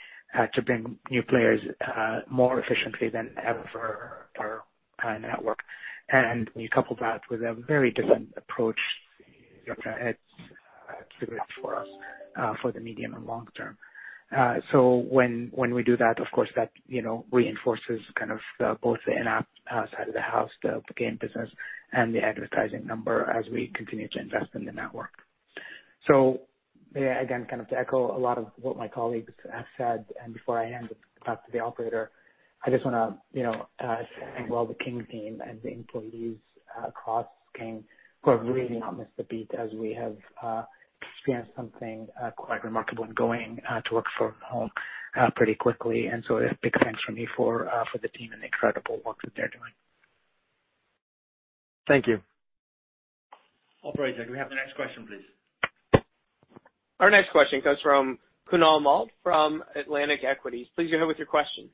Speaker 12: to bring new players more efficiently than ever to our network. When you couple that with a very different approach to ads, it's great for us for the medium and long term. When we do that, of course, that reinforces both the in-app side of the house, the game business, and the advertising number as we continue to invest in the network. Again, to echo a lot of what my colleagues have said, and before I hand it back to the operator, I just want to thank all the King team and the employees across King who have really not missed a beat as we have experienced something quite remarkable in going to work from home pretty quickly. A big thanks from me for the team and the incredible work that they're doing.
Speaker 11: Thank you.
Speaker 2: Operator, can we have the next question, please?
Speaker 1: Our next question comes from Kunaal Malde from Atlantic Equities. Please go ahead with your question.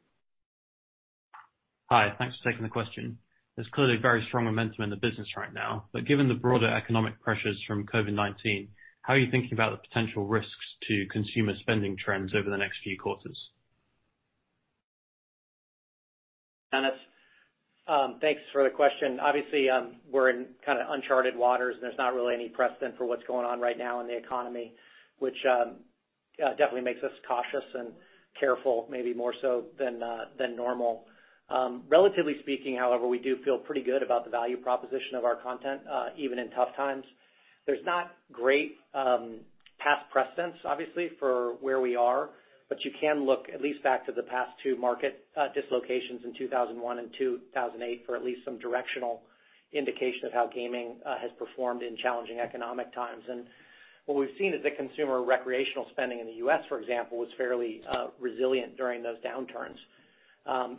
Speaker 13: Hi. Thanks for taking the question. There's clearly very strong momentum in the business right now. Given the broader economic pressures from COVID-19, how are you thinking about the potential risks to consumer spending trends over the next few quarters?
Speaker 5: Dennis. Thanks for the question. Obviously, we're in uncharted waters, there's not really any precedent for what's going on right now in the economy, which definitely makes us cautious and careful, maybe more so than normal. Relatively speaking, however, we do feel pretty good about the value proposition of our content, even in tough times. There's not great past precedents, obviously, for where we are, you can look at least back to the past two market dislocations in 2001 and 2008 for at least some directional indication of how gaming has performed in challenging economic times. What we've seen is that consumer recreational spending in the U.S., for example, was fairly resilient during those downturns.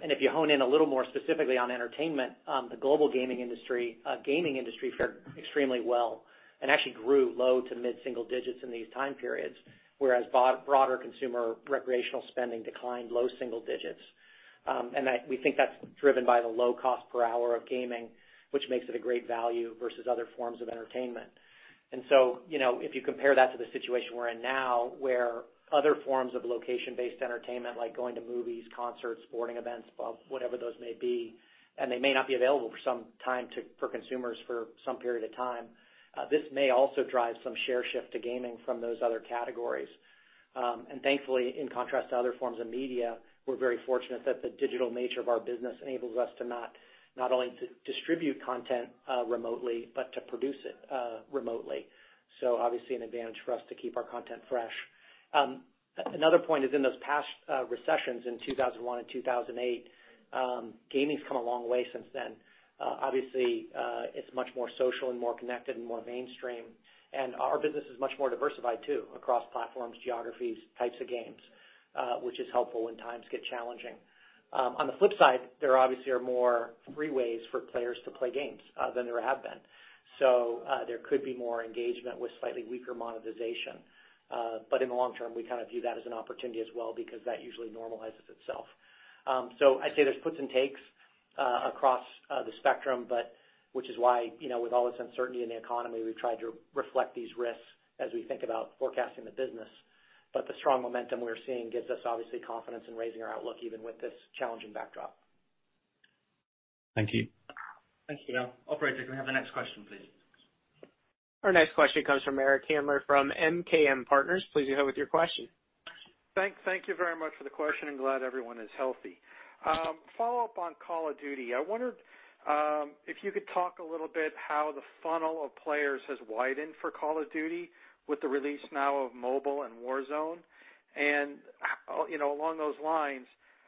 Speaker 5: If you hone in a little more specifically on entertainment, the global gaming industry fared extremely well and actually grew low to mid-single digits in these time periods, whereas broader consumer recreational spending declined low single digits. We think that's driven by the low cost per hour of gaming, which makes it a great value versus other forms of entertainment. If you compare that to the situation we're in now, where other forms of location-based entertainment, like going to movies, concerts, sporting events, pubs, whatever those may be, they may not be available for some time for consumers for some period of time. This may also drive some share shift to gaming from those other categories. Thankfully, in contrast to other forms of media, we're very fortunate that the digital nature of our business enables us to not only to distribute content remotely, but to produce it remotely. Obviously, an advantage for us to keep our content fresh. Another point is in those past recessions in 2001 and 2008, gaming's come a long way since then. Obviously, it's much more social and more connected and more mainstream, and our business is much more diversified too, across platforms, geographies, types of games, which is helpful when times get challenging. On the flip side, there obviously are more free ways for players to play games than there have been. There could be more engagement with slightly weaker monetization. In the long term, we view that as an opportunity as well because that usually normalizes itself. I say there's puts and takes across the spectrum, which is why with all this uncertainty in the economy, we've tried to reflect these risks as we think about forecasting the business. The strong momentum we're seeing gives us obviously confidence in raising our outlook even with this challenging backdrop.
Speaker 13: Thank you.
Speaker 2: Thanks, Kunaal. Operator, can we have the next question, please?
Speaker 1: Our next question comes from Eric Handler from MKM Partners. Please go ahead with your question.
Speaker 14: Thank you very much for the question, and glad everyone is healthy. Follow-up on Call of Duty. I wondered if you could talk a little bit how the funnel of players has widened for Call of Duty with the release now of mobile and Warzone. Along those lines,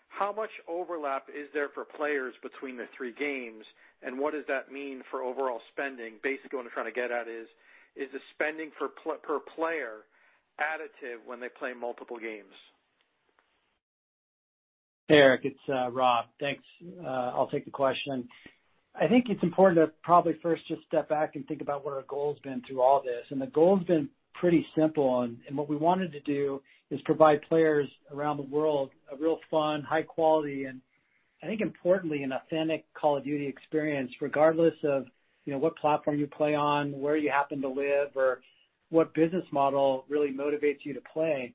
Speaker 14: how much overlap is there for players between the three games, and what does that mean for overall spending? Basically, what I'm trying to get at is the spending per player additive when they play multiple games?
Speaker 7: Eric, it's Rob. Thanks. I'll take the question. I think it's important to probably first just step back and think about what our goal's been through all this, and the goal's been pretty simple. What we wanted to do is provide players around the world a real fun, high quality, and I think importantly, an authentic Call of Duty experience, regardless of what platform you play on, where you happen to live, or what business model really motivates you to play.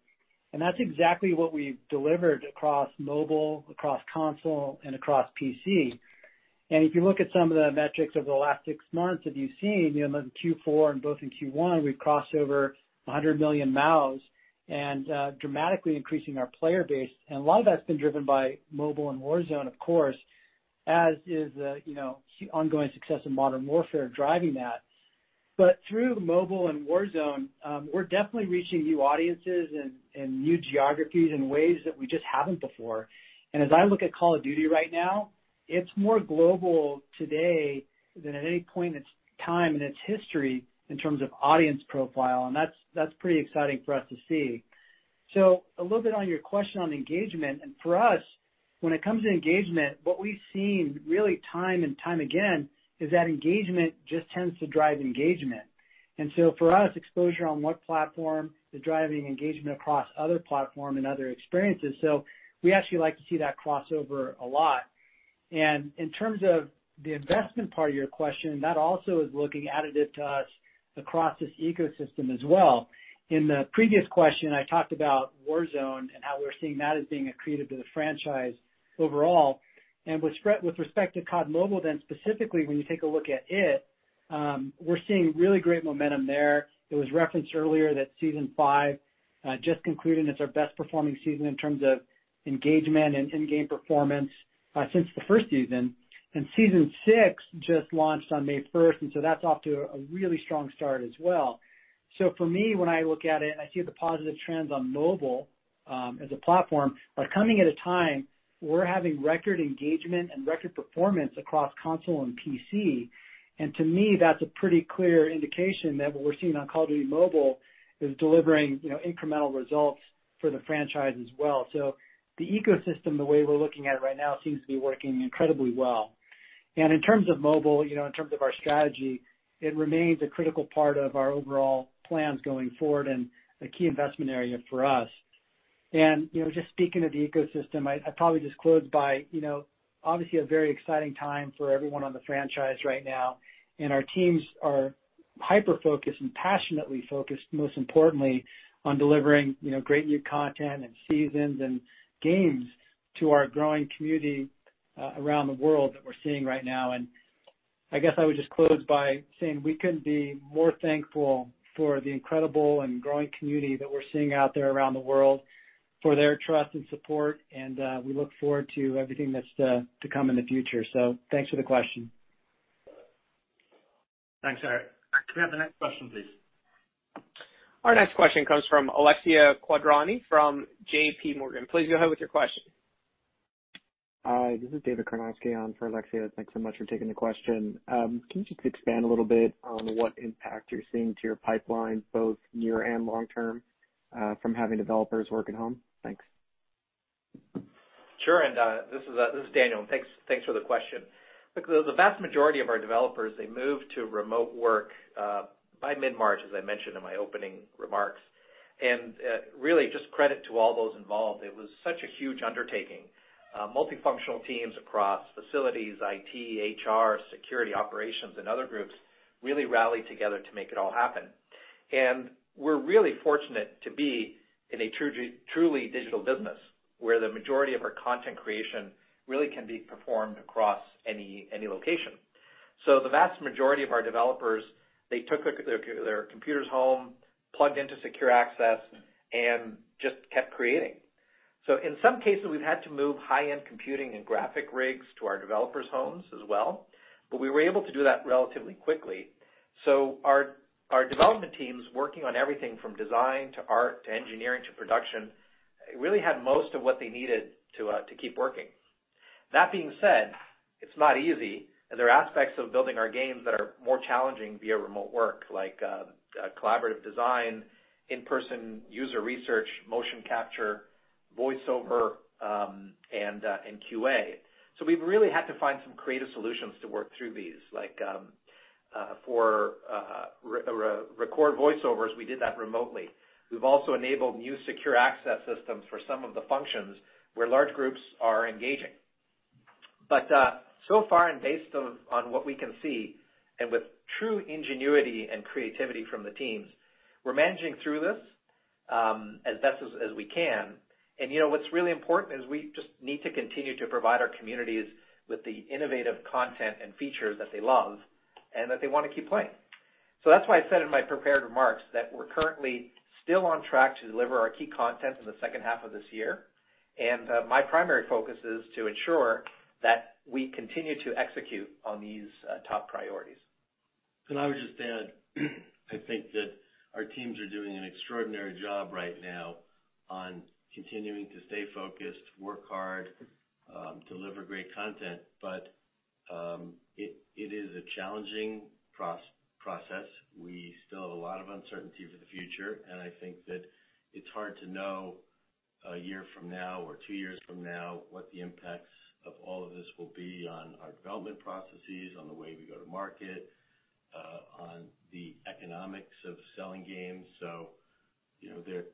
Speaker 7: That's exactly what we've delivered across mobile, across console, and across PC. If you look at some of the metrics over the last six months that you've seen, both in Q4 and both in Q1, we've crossed over 100 million MAUs and dramatically increasing our player base. A lot of that's been driven by mobile and Warzone, of course, as is the ongoing success of Modern Warfare driving that. Through mobile and Warzone, we're definitely reaching new audiences and new geographies in ways that we just haven't before. As I look at Call of Duty right now, it's more global today than at any point in its time, in its history, in terms of audience profile, and that's pretty exciting for us to see. A little bit on your question on engagement, and for us, when it comes to engagement, what we've seen really time and time again is that engagement just tends to drive engagement. For us, exposure on one platform is driving engagement across other platform and other experiences. We actually like to see that crossover a lot. In terms of the investment part of your question, that also is looking additive to us across this ecosystem as well. In the previous question, I talked about Warzone and how we're seeing that as being accretive to the franchise overall. With respect to COD Mobile, specifically when you take a look at it, we're seeing really great momentum there. It was referenced earlier that Season five just concluded. It's our best performing season in terms of engagement and in-game performance since the first season. Season six just launched on May 1st, that's off to a really strong start as well. For me, when I look at it, I see the positive trends on mobile as a platform are coming at a time we're having record engagement and record performance across console and PC. To me, that's a pretty clear indication that what we're seeing on Call of Duty: Mobile is delivering incremental results for the franchise as well. The ecosystem, the way we're looking at it right now, seems to be working incredibly well. In terms of mobile, in terms of our strategy, it remains a critical part of our overall plans going forward and a key investment area for us. Just speaking of the ecosystem, I'd probably just close by, obviously a very exciting time for everyone on the franchise right now. Our teams are hyper-focused and passionately focused, most importantly, on delivering great new content and seasons and games to our growing community around the world that we're seeing right now. I guess I would just close by saying we couldn't be more thankful for the incredible and growing community that we're seeing out there around the world, for their trust and support, and we look forward to everything that's to come in the future. Thanks for the question.
Speaker 2: Thanks, Eric. Can we have the next question, please?
Speaker 1: Our next question comes from Alexia Quadrani from JPMorgan. Please go ahead with your question.
Speaker 15: Hi, this is David Karnovsky on for Alexia. Thanks so much for taking the question. Can you just expand a little bit on what impact you're seeing to your pipeline, both near and long-term, from having developers work at home? Thanks.
Speaker 4: Sure, this is Daniel. Thanks for the question. Look, the vast majority of our developers, they moved to remote work by mid-March, as I mentioned in my opening remarks. Really just credit to all those involved. It was such a huge undertaking. Multifunctional teams across facilities, IT, HR, security, operations, and other groups really rallied together to make it all happen. We're really fortunate to be in a truly digital business where the majority of our content creation really can be performed across any location. The vast majority of our developers, they took their computers home, plugged into secure access, and just kept creating. In some cases, we've had to move high-end computing and graphic rigs to our developers' homes as well, but we were able to do that relatively quickly. Our development teams working on everything from design to art to engineering to production, really had most of what they needed to keep working. That being said, it's not easy, and there are aspects of building our games that are more challenging via remote work, like collaborative design, in-person user research, motion capture, voiceover, and QA. We've really had to find some creative solutions to work through these, like for record voiceovers, we did that remotely. We've also enabled new secure access systems for some of the functions where large groups are engaging. So far, and based on what we can see, and with true ingenuity and creativity from the teams, we're managing through this as best as we can. What's really important is we just need to continue to provide our communities with the innovative content and features that they love and that they want to keep playing. That's why I said in my prepared remarks that we're currently still on track to deliver our key content in the second half of this year. My primary focus is to ensure that we continue to execute on these top priorities.
Speaker 3: Can I just add, I think that our teams are doing an extraordinary job right now on continuing to stay focused, work hard, deliver great content. It is a challenging process. We still have a lot of uncertainty for the future, I think that it's hard to know a year from now or two years from now what the impacts of all of this will be on our development processes, on the way we go to market, on the economics of selling games. There's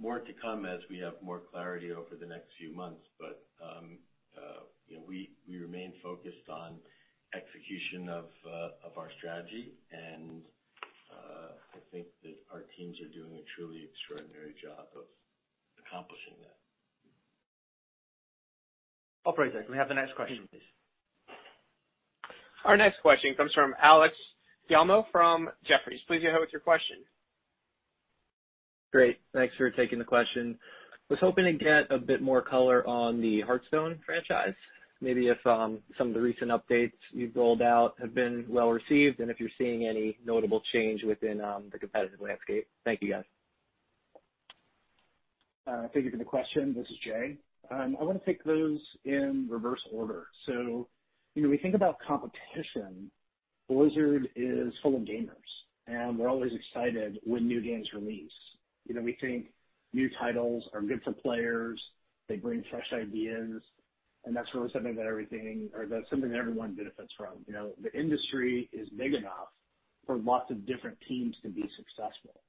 Speaker 3: more to come as we have more clarity over the next few months, but we remain focused on execution of our strategy. I think that our teams are doing a truly extraordinary job of accomplishing that.
Speaker 2: Operator, can we have the next question, please?
Speaker 1: Our next question comes from Alex Giaimo from Jefferies. Please go ahead with your question.
Speaker 16: Great. Thanks for taking the question. I was hoping to get a bit more color on the Hearthstone franchise. Maybe if some of the recent updates you've rolled out have been well-received, and if you're seeing any notable change within the competitive landscape. Thank you, guys.
Speaker 10: Thank you for the question. This is Jay. I want to take those in reverse order. When we think about competition, Blizzard is full of gamers, and we're always excited when new games release. We think new titles are good for players. They bring fresh ideas, and that's really something that everyone benefits from. The industry is big enough for lots of different teams to be successful.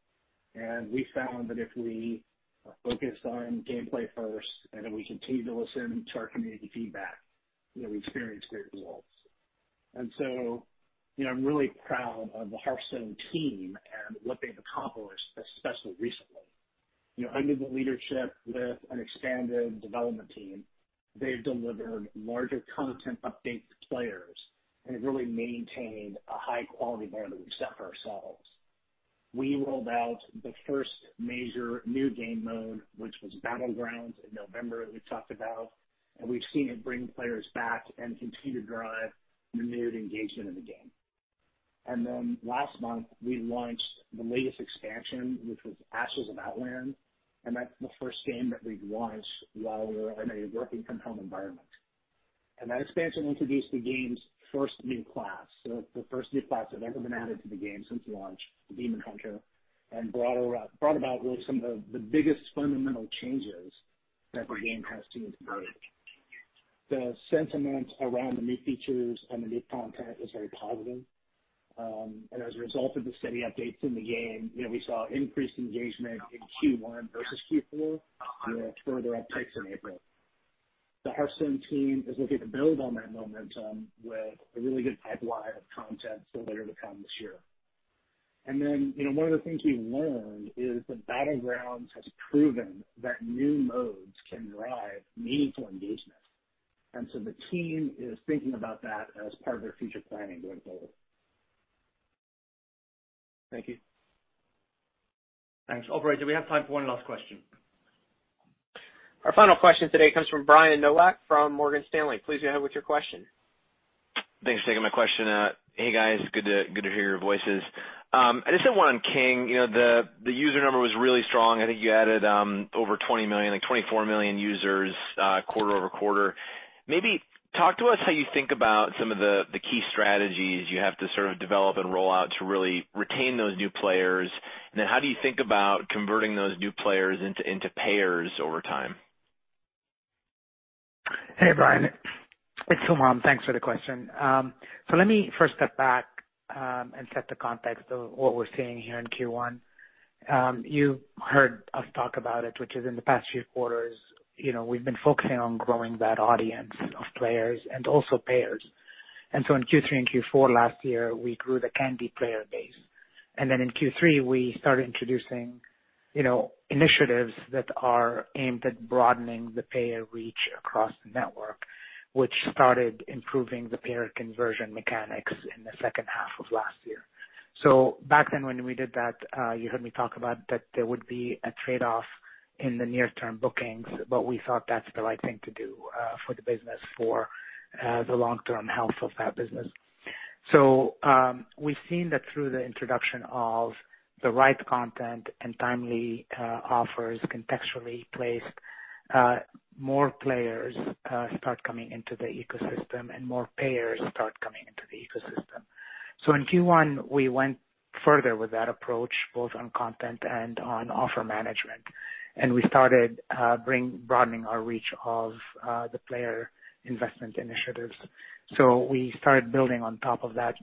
Speaker 10: We found that if we are focused on gameplay first, and then we continue to listen to our community feedback, we experience great results. I'm really proud of the Hearthstone team and what they've accomplished, especially recently. Under the leadership with an expanded development team, they've delivered larger content updates to players and have really maintained a high quality bar that we've set for ourselves. We rolled out the first major new game mode, which was Battlegrounds in November, as we talked about. We've seen it bring players back and continue to drive renewed engagement in the game. Last month, we launched the latest expansion, which was Ashes of Outland. That's the first game that we've launched while we were in a working from home environment. That expansion introduced the game's first new class. The first new class that had ever been added to the game since launch, the Demon Hunter, brought about really some of the biggest fundamental changes that the game has seen to date. The sentiment around the new features and the new content is very positive. As a result of the steady updates in the game, we saw increased engagement in Q1 versus Q4 with further upticks in April. The Hearthstone team is looking to build on that momentum with a really good pipeline of content for later to come this year. One of the things we learned is that Battlegrounds has proven that new modes can drive meaningful engagement. The team is thinking about that as part of their future planning going forward.
Speaker 16: Thank you.
Speaker 2: Thanks. Operator, do we have time for one last question?
Speaker 1: Our final question today comes from Brian Nowak from Morgan Stanley. Please go ahead with your question.
Speaker 17: Thanks for taking my question. Hey, guys. Good to hear your voices. I just had one on King. The user number was really strong. I think you added over 20 million, like 24 million users quarter-over-quarter. Maybe talk to us how you think about some of the key strategies you have to sort of develop and roll out to really retain those new players. How do you think about converting those new players into payers over time?
Speaker 12: Hey, Brian. It's Humam. Thanks for the question. Let me first step back and set the context of what we're seeing here in Q1. You heard us talk about it, which is in the past few quarters, we've been focusing on growing that audience of players and also payers. In Q3 and Q4 last year, we grew the Candy player base. In Q3, we started introducing initiatives that are aimed at broadening the payer reach across the network, which started improving the payer conversion mechanics in the second half of last year. Back then when we did that, you heard me talk about that there would be a trade-off in the near-term bookings, but we thought that's the right thing to do for the business for the long-term health of that business. We've seen that through the introduction of the right content and timely offers contextually placed, more players start coming into the ecosystem and more payers start coming into the ecosystem. In Q1, we went further with that approach, both on content and on offer management. We started broadening our reach of the player investment initiatives. We started building on top of that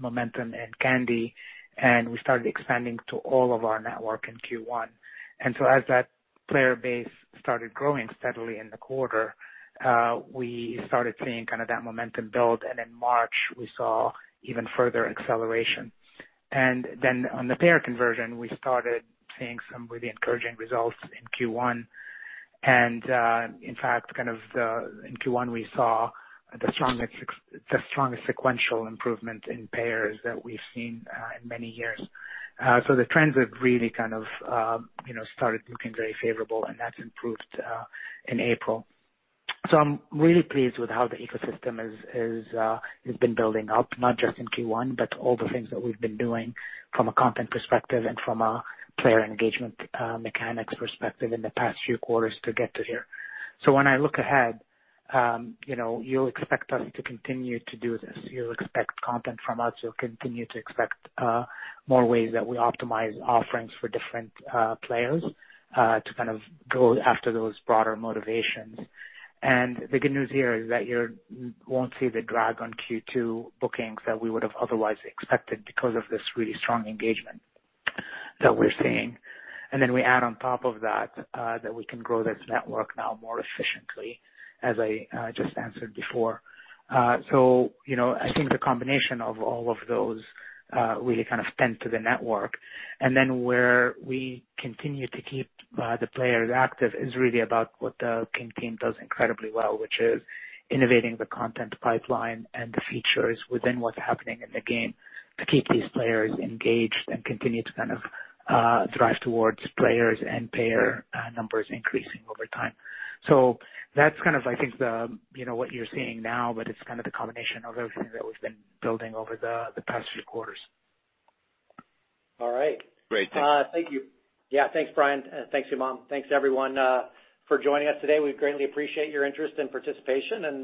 Speaker 12: momentum in Candy, and we started expanding to all of our network in Q1. As that player base started growing steadily in the quarter, we started seeing that momentum build, and in March, we saw even further acceleration. On the payer conversion, we started seeing some really encouraging results in Q1. In fact, in Q1, we saw the strongest sequential improvement in payers that we've seen in many years. The trends have really kind of started looking very favorable, and that's improved in April. I'm really pleased with how the ecosystem has been building up, not just in Q1, but all the things that we've been doing from a content perspective and from a player engagement mechanics perspective in the past few quarters to get to here. When I look ahead, you'll expect us to continue to do this. You'll expect content from us. You'll continue to expect more ways that we optimize offerings for different players to kind of go after those broader motivations. The good news here is that you won't see the drag on Q2 bookings that we would have otherwise expected because of this really strong engagement that we're seeing. We add on top of that we can grow this network now more efficiently, as I just answered before. I think the combination of all of those really kind of tend to the network. Where we continue to keep the players active is really about what the King team does incredibly well, which is innovating the content pipeline and the features within what's happening in the game to keep these players engaged and continue to kind of drive towards players and payer numbers increasing over time. That's kind of I think what you're seeing now, but it's kind of the combination of everything that we've been building over the past few quarters.
Speaker 3: All right.
Speaker 17: Great. Thanks.
Speaker 12: Thank you.
Speaker 3: Yeah. Thanks, Brian, and thanks, Humam. Thanks, everyone, for joining us today. We greatly appreciate your interest and participation, and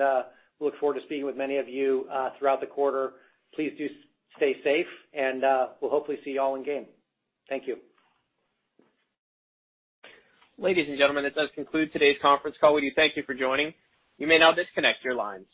Speaker 3: we look forward to speaking with many of you throughout the quarter. Please do stay safe, and we'll hopefully see you all in-game. Thank you.
Speaker 1: Ladies and gentlemen, that does conclude today's conference call. We do thank you for joining. You may now disconnect your lines.